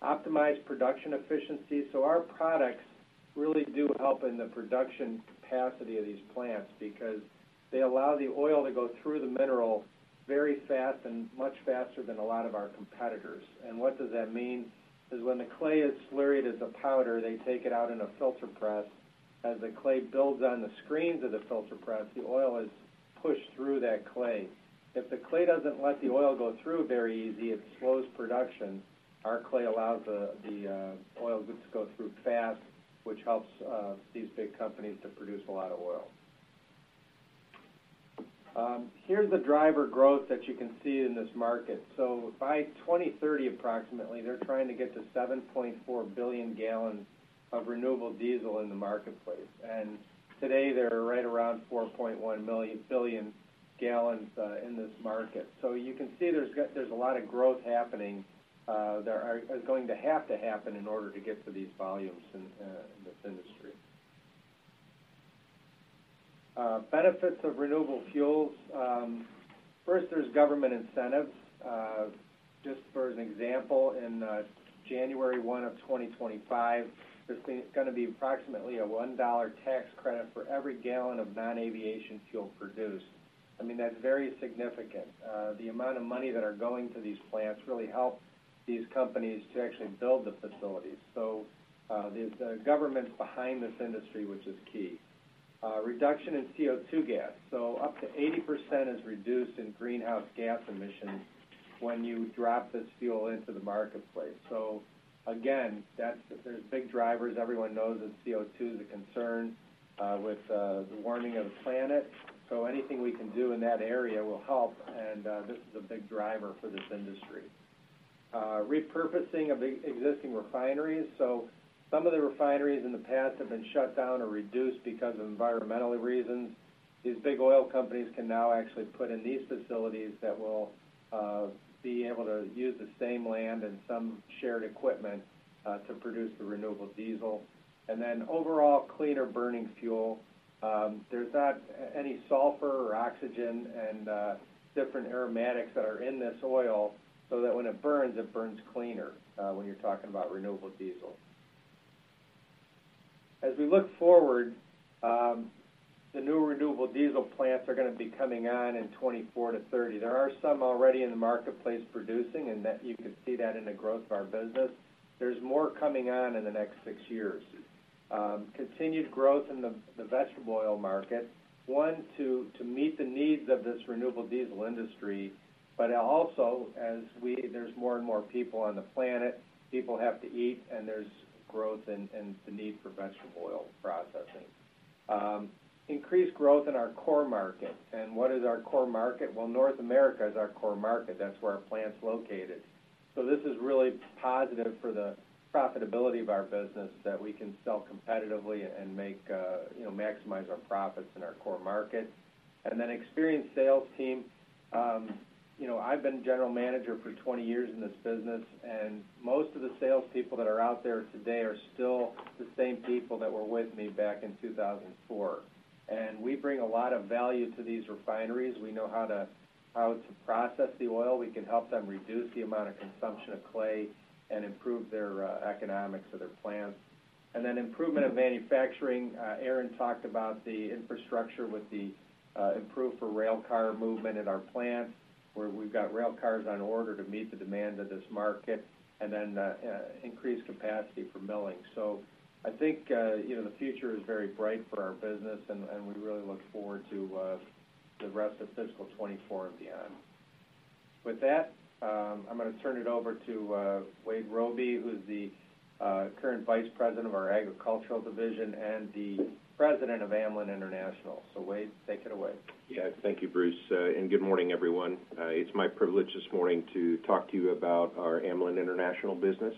Optimized production efficiency. So our products really do help in the production capacity of these plants because they allow the oil to go through the mineral very fast and much faster than a lot of our competitors. And what does that mean? Is when the clay is slurried as a powder, they take it out in a filter press. As the clay builds on the screens of the filter press, the oil is pushed through that clay. If the clay doesn't let the oil go through very easy, it slows production. Our clay allows the oil to go through fast, which helps these big companies to produce a lot of oil. Here's the driver growth that you can see in this market. So by 2030, approximately, they're trying to get to 7.4 billion gallons of renewable diesel in the marketplace. And today, they're right around 4.1 billion gallons in this market. So you can see there's a lot of growth happening, there is going to have to happen in order to get to these volumes in this industry. Benefits of renewable fuels. First, there's government incentives. Just for an example, in January 1, 2025, there's gonna be approximately a $1 tax credit for every gallon of non-aviation fuel produced. I mean, that's very significant. The amount of money that are going to these plants really help these companies to actually build the facilities. So, the government's behind this industry, which is key. Reduction in CO2 gas, so up to 80% is reduced in greenhouse gas emissions when you drop this fuel into the marketplace. So again, that's the, there's big drivers. Everyone knows that CO2 is a concern, with the warming of the planet. So anything we can do in that area will help, and this is a big driver for this industry. Repurposing of existing refineries. So some of the refineries in the past have been shut down or reduced because of environmental reasons. These big oil companies can now actually put in these facilities that will be able to use the same land and some shared equipment to produce the renewable diesel, and then overall, cleaner burning fuel. There's not any sulfur or oxygen and different aromatics that are in this oil, so that when it burns, it burns cleaner when you're talking about renewable diesel. As we look forward, the new renewable diesel plants are gonna be coming on in 2024-2030. There are some already in the marketplace producing, and that you can see that in the growth of our business. There's more coming on in the next six years. Continued growth in the vegetable oil market to meet the needs of this renewable diesel industry, but also, as we—there's more and more people on the planet, people have to eat, and there's growth and the need for vegetable oil processing. Increased growth in our core market. What is our core market? Well, North America is our core market. That's where our plant's located. So this is really positive for the profitability of our business, that we can sell competitively and make, you know, maximize our profits in our core market. And then experienced sales team. You know, I've been general manager for 20 years in this business, and most of the salespeople that are out there today are still the same people that were with me back in 2004. We bring a lot of value to these refineries. We know how to process the oil. We can help them reduce the amount of consumption of clay and improve their economics of their plants. And then improvement of manufacturing. Aaron talked about the infrastructure with the improved for rail car movement at our plant, where we've got rail cars on order to meet the demand of this market, and then increased capacity for milling. So I think, you know, the future is very bright for our business, and we really look forward to the rest of fiscal 2024 and beyond. With that, I'm gonna turn it over to Wade Robey, who's the current Vice President of our agricultural division and the President of Amlan International. So Wade, take it away. Yeah. Thank you, Bruce, and good morning, everyone. It's my privilege this morning to talk to you about our Amlan International business.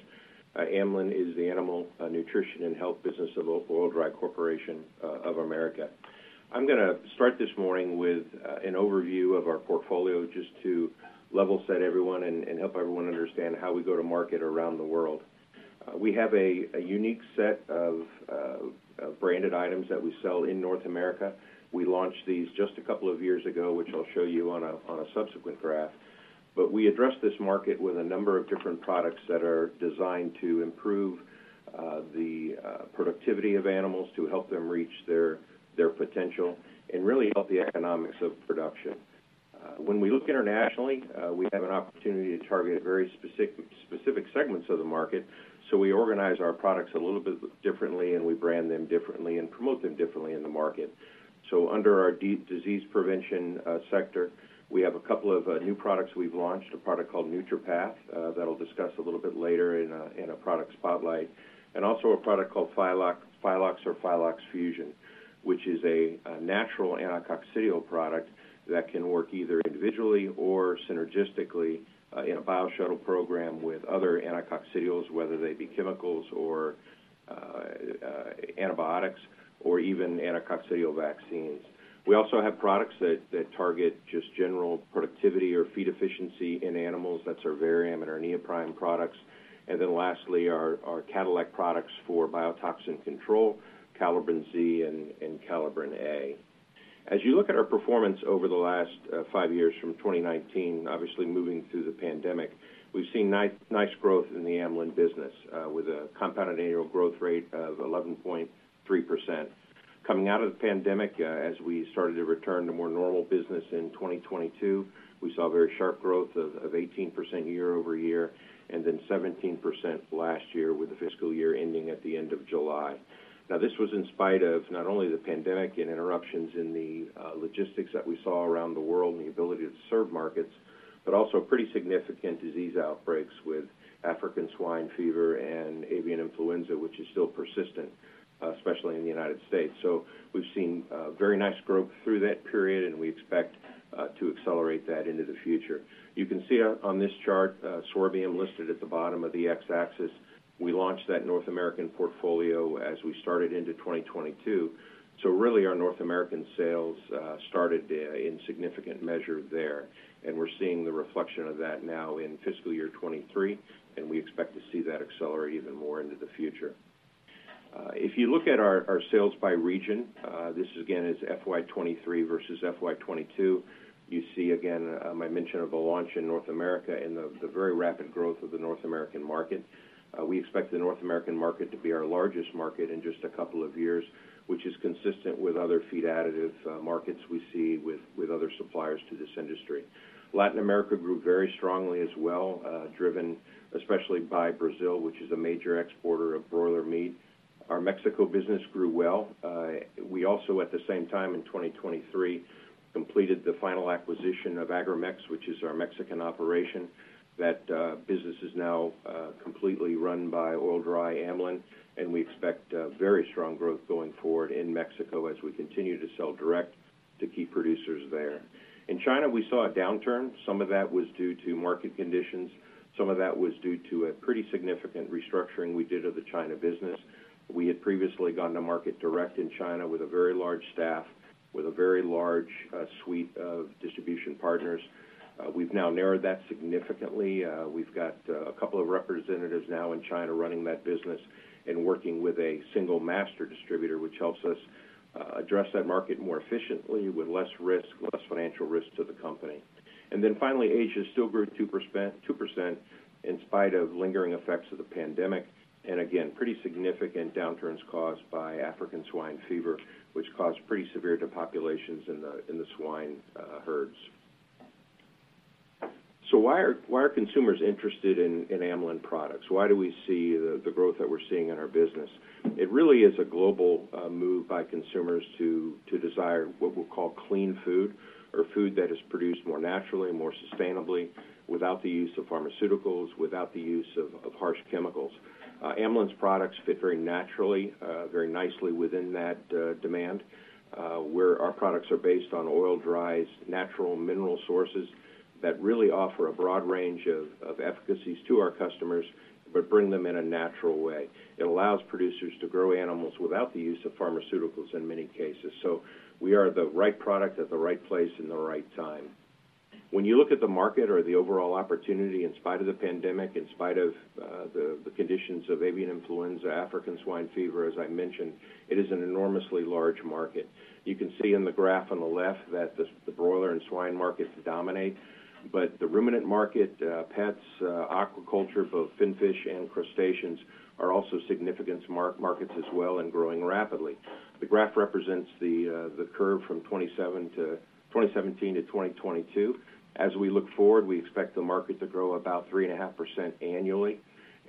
Amlan is the animal nutrition and health business of Oil-Dri Corporation of America. I'm gonna start this morning with an overview of our portfolio just to level set everyone and help everyone understand how we go to market around the world. We have a unique set branded items that we sell in North America. We launched these just a couple of years ago, which I'll show you on a subsequent graph. But we addressed this market with a number of different products that are designed to improve the productivity of animals, to help them reach their potential and really help the economics of production. When we look internationally, we have an opportunity to target very specific segments of the market. So we organize our products a little bit differently, and we brand them differently and promote them differently in the market. So under our disease prevention sector, we have a couple of new products we've launched, a product called NeutraPath that I'll discuss a little bit later in a product spotlight, and also a product called Phylox or Phylox Fusion, which is a natural anticoccidial product that can work either individually or synergistically in a bioshuttle program with other anticoccidials, whether they be chemicals or antibiotics, or even anticoccidial vaccines. We also have products that target just general productivity or feed efficiency in animals. That's our Varium and our NeoPrime products. Then lastly, our Calibrin products for biotoxin control, Calibrin-Z and Calibrin-A. As you look at our performance over the last five years from 2019, obviously moving through the pandemic, we've seen nice growth in the Amlan business, with a compounded annual growth rate of 11.3%. Coming out of the pandemic, as we started to return to more normal business in 2022, we saw very sharp growth of 18% year-over-year, and then 17% last year, with the fiscal year ending at the end of July. Now, this was in spite of not only the pandemic and interruptions in the, uh, logistics that we saw around the world and the ability to serve markets, but also pretty significant disease outbreaks with African swine fever and avian influenza, which is still persistent, especially in the United States. So we've seen very nice growth through that period, and we expect to accelerate that into the future. You can see on, on this chart, Sorbiam, listed at the bottom of the x-axis. We launched that North American portfolio as we started into 2022. So really, our North American sales started in significant measure there, and we're seeing the reflection of that now in fiscal year 2023, and we expect to see that accelerate even more into the future. If you look at our sales by region, this again is FY 2023 versus FY 2022. You see again my mention of a launch in North America and the very rapid growth of the North American market. We expect the North American market to be our largest market in just a couple of years, which is consistent with other feed additive markets we see with other suppliers to this industry. Latin America grew very strongly as well, driven especially by Brazil, which is a major exporter of broiler meat. Our Mexico business grew well. We also at the same time in 2023 completed the final acquisition of Agromex, which is our Mexican operation. That business is now completely run by Oil-Dri Amlan, and we expect very strong growth going forward in Mexico as we continue to sell direct to key producers there. In China, we saw a downturn. Some of that was due to market conditions. Some of that was due to a pretty significant restructuring we did of the China business. We had previously gone to market direct in China with a very large staff, with a very large suite of distribution partners. We've now narrowed that significantly. We've got a couple of representatives now in China running that business and working with a single master distributor, which helps us address that market more efficiently, with less risk, less financial risk to the company. Finally, Asia still grew 2%, 2% in spite of lingering effects of the pandemic, and again, pretty significant downturns caused by African swine fever, which caused pretty severe depopulations in the swine herds. So why are consumers interested in Amlan products? Why do we see the growth that we're seeing in our business? It really is a global move by consumers to desire what we'll call clean food, or food that is produced more naturally, more sustainably, without the use of pharmaceuticals, without the use of harsh chemicals. Amlan's products fit very naturally very nicely within that demand, where our products are based on Oil-Dri's natural mineral sources that really offer a broad range of efficacies to our customers, but bring them in a natural way. It allows producers to grow animals without the use of pharmaceuticals in many cases. So we are the right product at the right place and the right time. When you look at the market or the overall opportunity, in spite of the pandemic, in spite of the conditions of avian influenza, African swine fever, as I mentioned, it is an enormously large market. You can see in the graph on the left that the broiler and swine markets dominate, but the ruminant market, pets, aquaculture, both finfish and crustaceans, are also significant markets as well and growing rapidly. The graph represents the curve from 2017 to 2022. As we look forward, we expect the market to grow about 3.5% annually,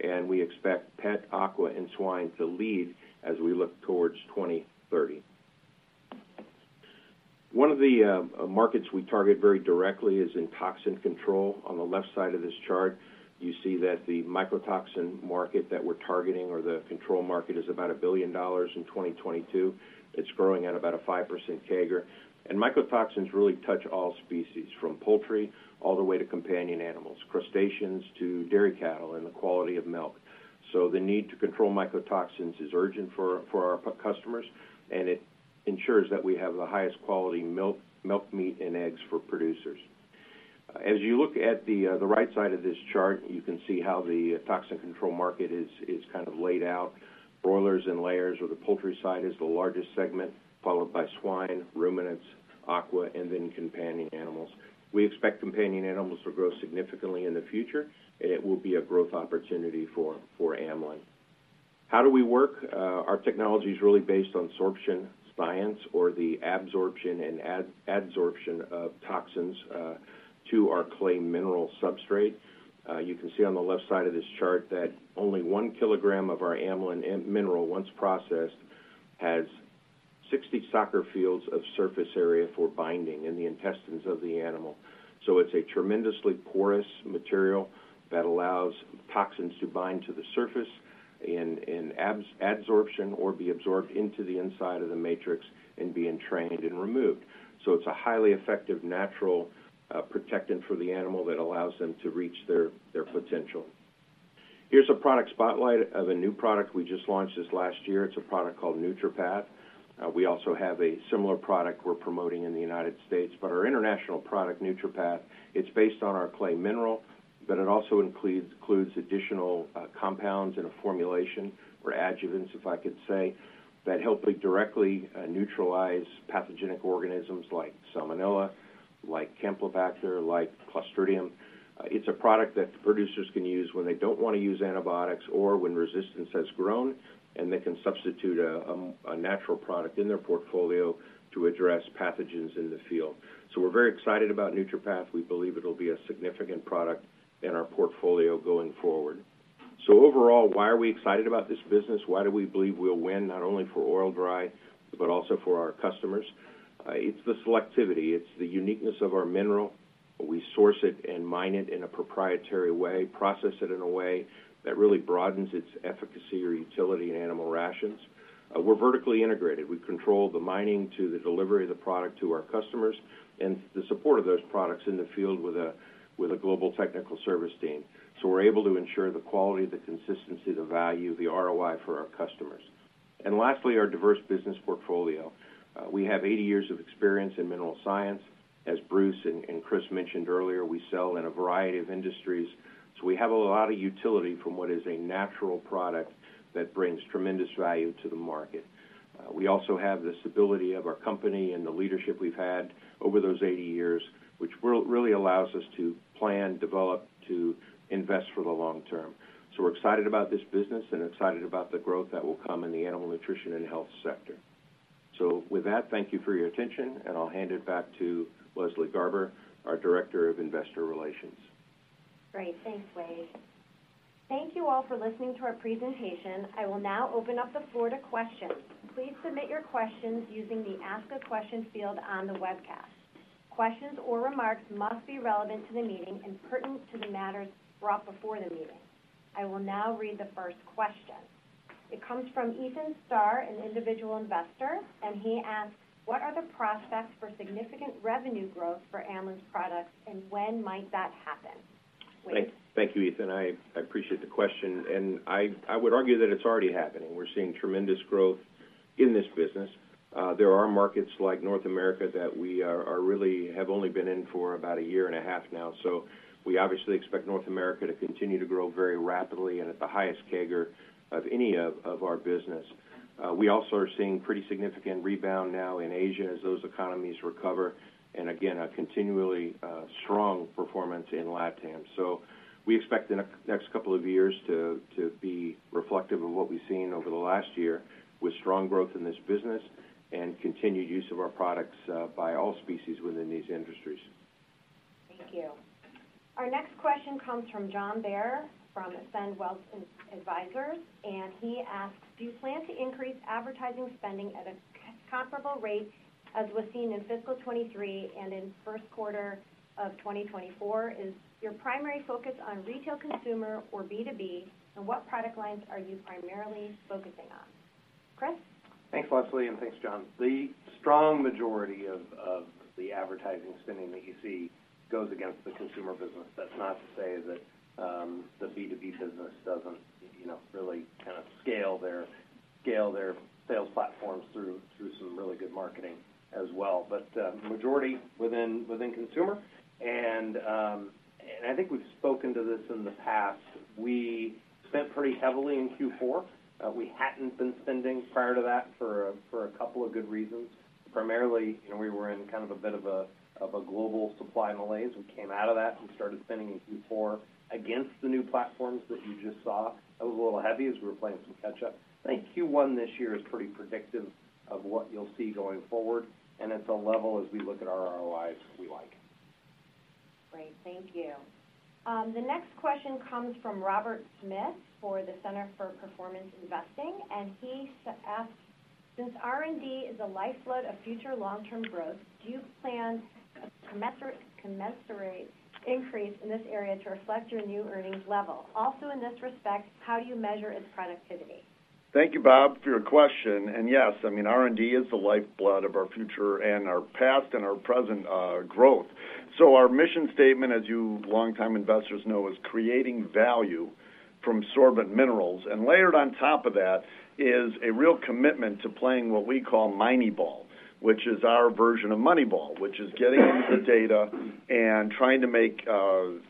and we expect pet, aqua, and swine to lead as we look towards 2030. One of the markets we target very directly is in toxin control. On the left side of this chart, you see that the mycotoxin market that we're targeting, or the control market, is about $1 billion in 2022. It's growing at about a 5% CAGR. And mycotoxins really touch all species, from poultry all the way to companion animals, crustaceans to dairy cattle and the quality of milk. So the need to control mycotoxins is urgent for our customers, and it ensures that we have the highest quality milk, meat, and eggs for producers. As you look at the right side of this chart, you can see how the toxin control market is kind of laid out. Broilers and layers, or the poultry side, is the largest segment, followed by swine, ruminants, aqua, and then companion animals. We expect companion animals to grow significantly in the future, and it will be a growth opportunity for Amlan. How do we work? Our technology is really based on sorption science or the absorption and adsorption of toxins to our clay mineral substrate. You can see on the left side of this chart that only 1 kg of our Amlan mineral, once processed, has 60 soccer fields of surface area for binding in the intestines of the animal. So it's a tremendously porous material that allows toxins to bind to the surface in adsorption or be absorbed into the inside of the matrix and being retained and removed. So it's a highly effective, natural protectant for the animal that allows them to reach their potential. Here's a product spotlight of a new product we just launched this last year. It's a product called NeutraPath. We also have a similar product we're promoting in the United States, but our international product, NeutraPath, it's based on our clay mineral, but it also includes additional compounds and a formulation or adjuvants, if I could say, that help directly neutralize pathogenic organisms like salmonella, like campylobacter, like clostridium. It's a product that producers can use when they don't want to use antibiotics or when resistance has grown, and they can substitute a natural product in their portfolio to address pathogens in the field. So we're very excited about NeutraPath. We believe it'll be a significant product in our portfolio going forward. So overall, why are we excited about this business? Why do we believe we'll win, not only for Oil-Dri, but also for our customers? It's the selectivity. It's the uniqueness of our mineral. We source it and mine it in a proprietary way, process it in a way that really broadens its efficacy or utility in animal rations. We're vertically integrated. We control the mining to the delivery of the product to our customers, and the support of those products in the field with a global technical service team. So we're able to ensure the quality, the consistency, the value, the ROI for our customers. And lastly, our diverse business portfolio. We have 80 years of experience in mineral science. As Bruce and Chris mentioned earlier, we sell in a variety of industries, so we have a lot of utility from what is a natural product that brings tremendous value to the market. We also have the stability of our company and the leadership we've had over those 80 years, which really allows us to plan, develop, to invest for the long term. So we're excited about this business and excited about the growth that will come in the animal nutrition and health sector. So with that, thank you for your attention, and I'll hand it back to Leslie Garber, our Director of Investor Relations. Great. Thanks, Wade. Thank you all for listening to our presentation. I will now open up the floor to questions. Please submit your questions using the Ask a Question field on the webcast. Questions or remarks must be relevant to the meeting and pertinent to the matters brought before the meeting. I will now read the first question. It comes from Ethan Starr, an individual investor, and he asks, "What are the prospects for significant revenue growth for Amlan's products, and when might that happen?" Wade? Thank you, Ethan. I appreciate the question, and I would argue that it's already happening. We're seeing tremendous growth in this business. There are markets like North America that we really have only been in for about a year and a half now. So we obviously expect North America to continue to grow very rapidly and at the highest CAGR of any of our business. We also are seeing pretty significant rebound now in Asia as those economies recover, and again, a continually strong performance in Latam. So we expect in the next couple of years to be reflective of what we've seen over the last year, with strong growth in this business and continued use of our products by all species within these industries. Thank you. Our next question comes from John Bair, from Ascend Wealth Advisors, and he asks, "Do you plan to increase advertising spending at a comparable rate as was seen in fiscal 2023 and in first quarter of 2024? Is your primary focus on retail, consumer, or B2B, and what product lines are you primarily focusing on?" Chris? Thanks, Leslie, and thanks, John. The strong majority of the advertising spending that you see goes against the consumer business. That's not to say that the B2B business doesn't, you know, really kind of scale their sales platforms through some really good marketing as well. But majority within consumer, and I think we've spoken to this in the past. We spent pretty heavily in Q4. We hadn't been spending prior to that for a couple of good reasons. Primarily, you know, we were in kind of a bit of a global supply malaise. We came out of that and started spending in Q4 against the new platforms that you just saw. It was a little heavy as we were playing some catch-up. I think Q1 this year is pretty predictive of what you'll see going forward, and it's a level, as we look at our ROIs, we like. Great. Thank you. The next question comes from Robert Smith for the Center for Performance Investing, and he asks, "Since R&D is a lifeblood of future long-term growth, do you plan a commensurate increase in this area to reflect your new earnings level? Also, in this respect, how do you measure its productivity?" Thank you, Bob, for your question. And yes, I mean, R&D is the lifeblood of our future and our past and our present growth. So our mission statement, as you long-time investors know, is creating value from sorbent minerals. And layered on top of that is a real commitment to playing what we call mini ball, which is our version of moneyball, trying to make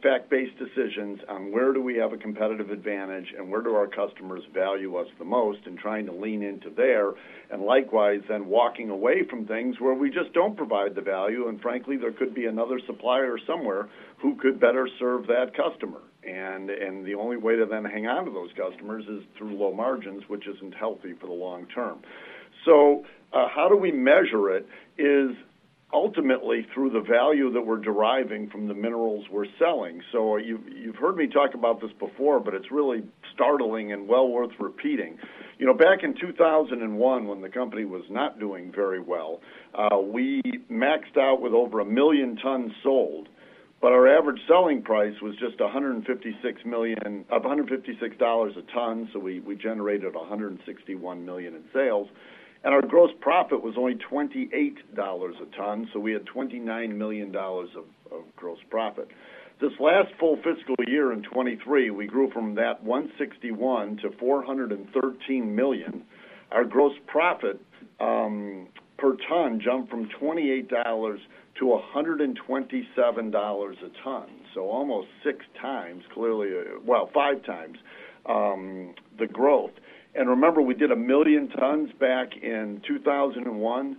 fact-based decisions on where do we have a competitive advantage and where do our customers value us the most, and trying to lean into there. And likewise, then walking away from things where we just don't provide the value, and frankly, there could be another supplier somewhere who could better serve that customer. The only way to then hang on to those customers is through low margins, which isn't healthy for the long term. So, how do we measure it, is ultimately through the value that we're deriving from the minerals we're selling. So you've, you've heard me talk about this before, but it's really startling and well worth repeating. You know, back in 2001, when the company was not doing very well, we maxed out with over a million tons sold, but our average selling price was just $156 a ton, so we, we generated $161 million in sales, and our gross profit was only $28 a ton, so we had $29 million of gross profit. This last full fiscal year in 2023, we grew from that $161 million to $413 million. Our gross profit per ton jumped from $28 a ton to $127 a ton. So almost six times, clearly, well, five times the growth. And remember, we did 1,000,000 tons back in 2001.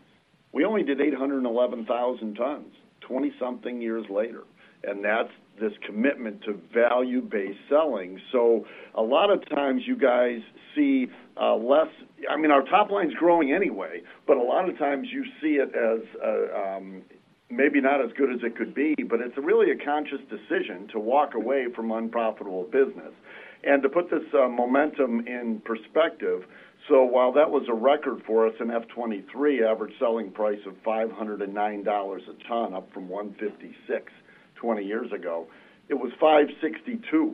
We only did 811,000 tons, 20-something years later, and that's this commitment to value-based selling. So a lot of times you guys see less—I mean, our top line is growing anyway, but a lot of times you see it as maybe not as good as it could be, but it's really a conscious decision to walk away from unprofitable business. To put this momentum in perspective, so while that was a record for us in FY 2023, average selling price of $509 a ton, up from $156 20 years ago, it was $562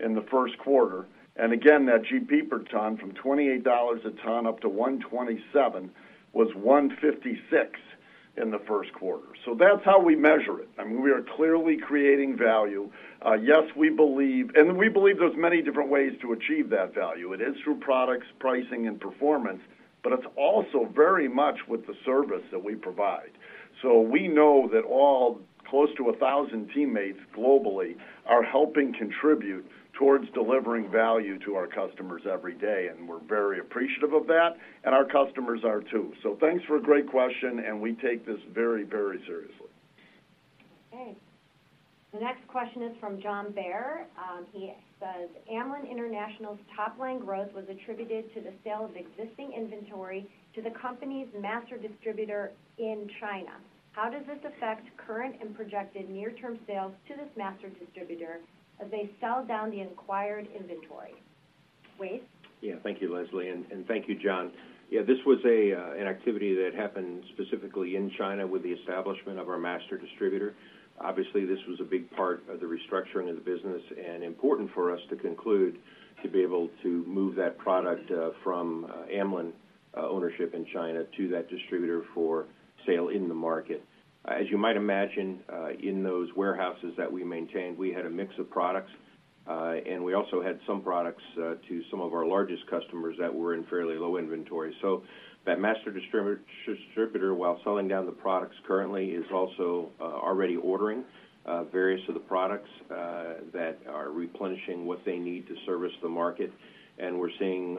in the first quarter. And again, that GP per ton, from $28 a ton up to $127, was $156 in the first quarter. So that's how we measure it. I mean, we are clearly creating value. Yes, we believe and we believe there's many different ways to achieve that value. It is through products, pricing, and performance, but it's also very much with the service that we provide. So we know that all close to 1,000 teammates globally are helping contribute towards delivering value to our customers every day, and we're very appreciative of that, and our customers are too. Thanks for a great question, and we take this very, very seriously. Okay. The next question is from John Bair. He says, "Amlan International's top line growth was attributed to the sale of existing inventory to the company's master distributor in China. How does this affect current and projected near-term sales to this master distributor as they sell down the acquired inventory?" Wade? Yeah. Thank you, Leslie, and, and thank you, John. Yeah, this was a, an activity that happened specifically in China with the establishment of our master distributor. Obviously, this was a big part of the restructuring of the business and important for us to conclude, to be able to move that product from Amlan ownership in China to that distributor for sale in the market. As you might imagine, in those warehouses that we maintained, we had a mix of products, and we also had some products to some of our largest customers that were in fairly low inventory. So that master distributor, while selling down the products currently, is also already ordering various of the products that are replenishing what they need to service the market. We're seeing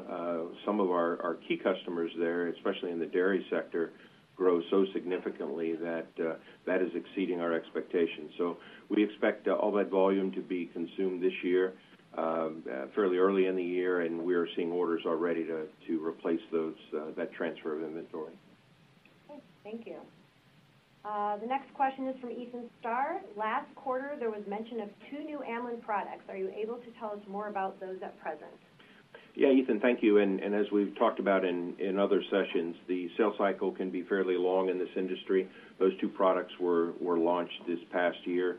some of our key customers there, especially in the dairy sector, grow so significantly that that is exceeding our expectations. We expect all that volume to be consumed this year, fairly early in the year, and we are seeing orders already to replace those that transfer of inventory. Okay, thank you. The next question is from Ethan Starr. Last quarter, there was mention of two new Amlan products. Are you able to tell us more about those at present? Yeah, Ethan, thank you. And as we've talked about in other sessions, the sales cycle can be fairly long in this industry. Those two products were launched this past year.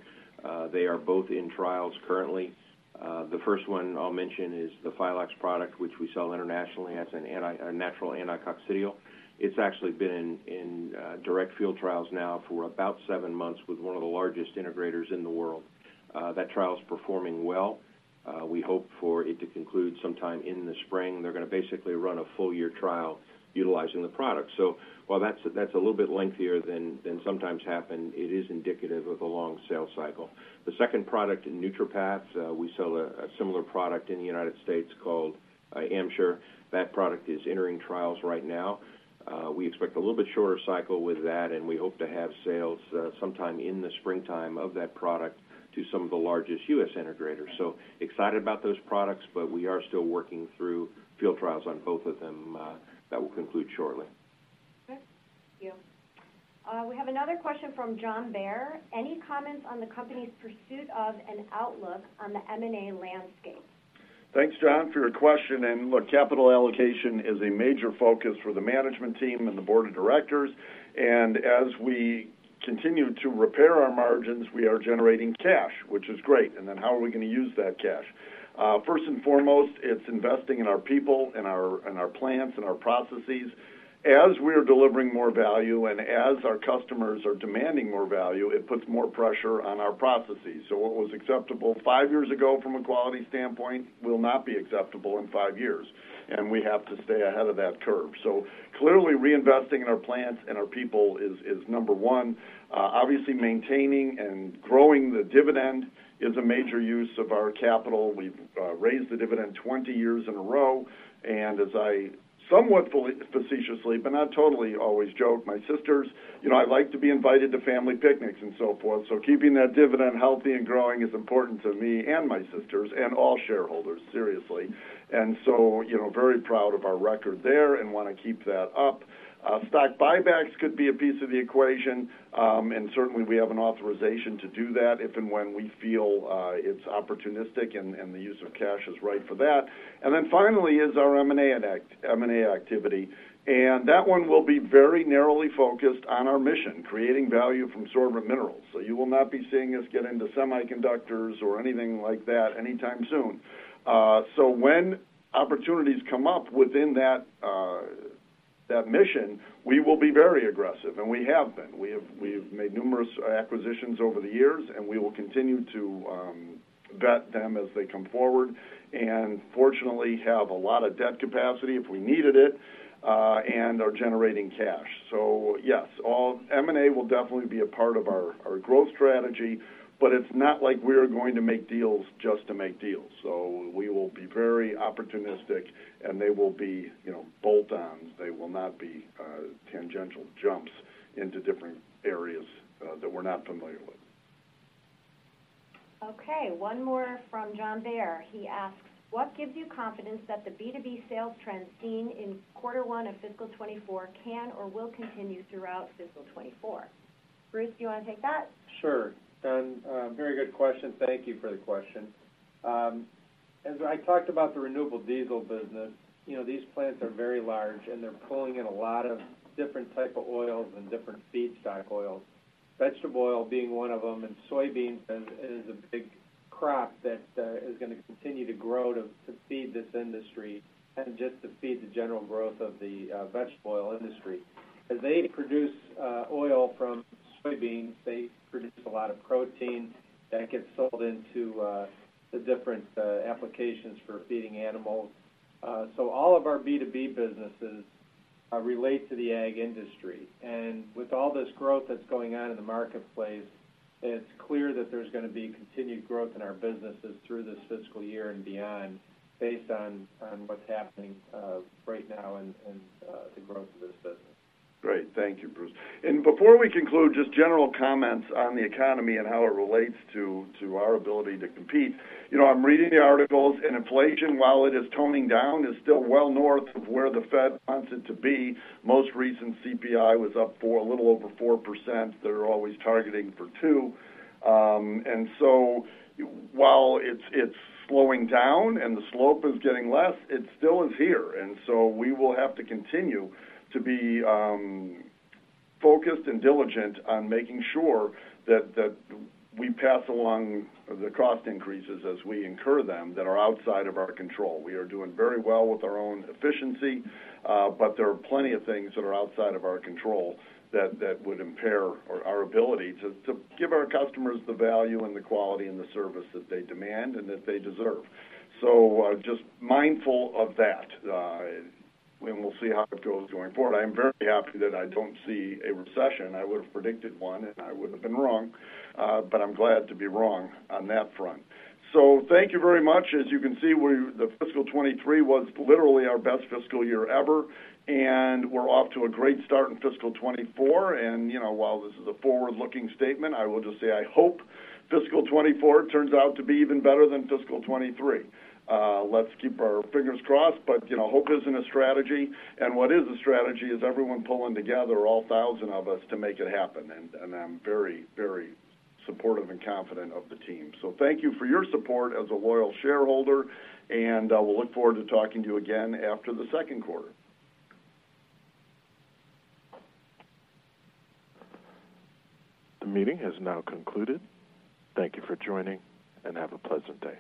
They are both in trials currently. The first one I'll mention is the Phylox product, which we sell internationally as a natural anticoccidial. It's actually been in direct field trials now for about seven months with one of the largest integrators in the world. That trial is performing well. We hope for it to conclude sometime in the spring. They're going to basically run a full year trial utilizing the product. So while that's a little bit lengthier than sometimes happen, it is indicative of a long sales cycle. The second product, NeutraPath, we sell a similar product in the United States called AmSure. That product is entering trials right now. We expect a little bit shorter cycle with that, and we hope to have sales sometime in the springtime of that product to some of the largest U.S. integrators. So excited about those products, but we are still working through field trials on both of them that will conclude shortly. Okay, thank you. We have another question from John Bair: Any comments on the company's pursuit of an outlook on the M&A landscape? Thanks, John, for your question, and look, capital allocation is a major focus for the management team and the Board of Directors. As we continue to repair our margins, we are generating cash, which is great. Then how are we going to use that cash? First and foremost, it's investing in our people, in our plants, and our processes. As we are delivering more value and as our customers are demanding more value, it puts more pressure on our processes. So what was acceptable five years ago from a quality standpoint will not be acceptable in five years, and we have to stay ahead of that curve. So clearly, reinvesting in our plants and our people is number one. Obviously, maintaining and growing the dividend is a major use of our capital. We've raised the dividend 20 years in a row, and as I somewhat facetiously, but not totally, always joke, my sisters, you know, I'd like to be invited to family picnics and so forth. So keeping that dividend healthy and growing is important to me and my sisters and all shareholders, seriously. And so, you know, very proud of our record there and want to keep that up. Stock buybacks could be a piece of the equation. And certainly, we have an authorization to do that if and when we feel it's opportunistic and, and the use of cash is right for that. And then finally, is our M&A, M&A activity, and that one will be very narrowly focused on our mission, creating value from sorbent minerals. So you will not be seeing us get into semiconductors or anything like that anytime soon. So when opportunities come up within that, that mission, we will be very aggressive, and we have been. We've made numerous acquisitions over the years, and we will continue to vet them as they come forward, and fortunately, have a lot of debt capacity if we needed it, and are generating cash. So yes, all M&A will definitely be a part of our, our growth strategy, but it's not like we're going to make deals just to make deals. So we will be very opportunistic and they will be, you know, bolt-ons. They will not be tangential jumps into different areas, that we're not familiar with. Okay, one more from John Bair. He asks: "What gives you confidence that the B2B sales trends seen in quarter one of fiscal 2024 can or will continue throughout fiscal 2024?" Bruce, do you want to take that? Sure. And, very good question. Thank you for the question. As I talked about the renewable diesel business, you know, these plants are very large, and they're pulling in a lot of different type of oils and different feedstock oils, vegetable oil being one of them, and soybeans is a big crop that is going to continue to grow to feed this industry and just to feed the general growth of the vegetable oil industry. As they produce oil from soybeans, they produce a lot of protein that gets sold into the different applications for feeding animals. So all of our B2B businesses relate to the ag industry. With all this growth that's going on in the marketplace, it's clear that there's going to be continued growth in our businesses through this fiscal year and beyond, based on what's happening right now and the growth of this business. Great. Thank you, Bruce. Before we conclude, just general comments on the economy and how it relates to our ability to compete. You know, I'm reading the articles, and inflation, while it is toning down, is still well north of where the Fed wants it to be. Most recent CPI was up 4%, a little over 4%. They're always targeting for 2%. And so while it's slowing down and the slope is getting less, it still is here. And so we will have to continue to be focused and diligent on making sure that we pass along the cost increases as we incur them, that are outside of our control. We are doing very well with our own efficiency, but there are plenty of things that are outside of our control that would impair our ability to give our customers the value and the quality and the service that they demand and that they deserve. So just mindful of that, and we'll see how it goes going forward. I am very happy that I don't see a recession. I would have predicted one, and I would have been wrong, but I'm glad to be wrong on that front. So thank you very much. As you can see, we, the fiscal 2023 was literally our best fiscal year ever, and we're off to a great start in fiscal 2024. And, you know, while this is a forward-looking statement, I will just say, I hope fiscal 2024 turns out to be even better than fiscal 2023. Let's keep our fingers crossed, but, you know, hope isn't a strategy. And what is a strategy is everyone pulling together, all 1,000 of us, to make it happen. And, and I'm very, very supportive and confident of the team. So thank you for your support as a loyal shareholder, and, we'll look forward to talking to you again after the second quarter. The meeting has now concluded. Thank you for joining, and have a pleasant day.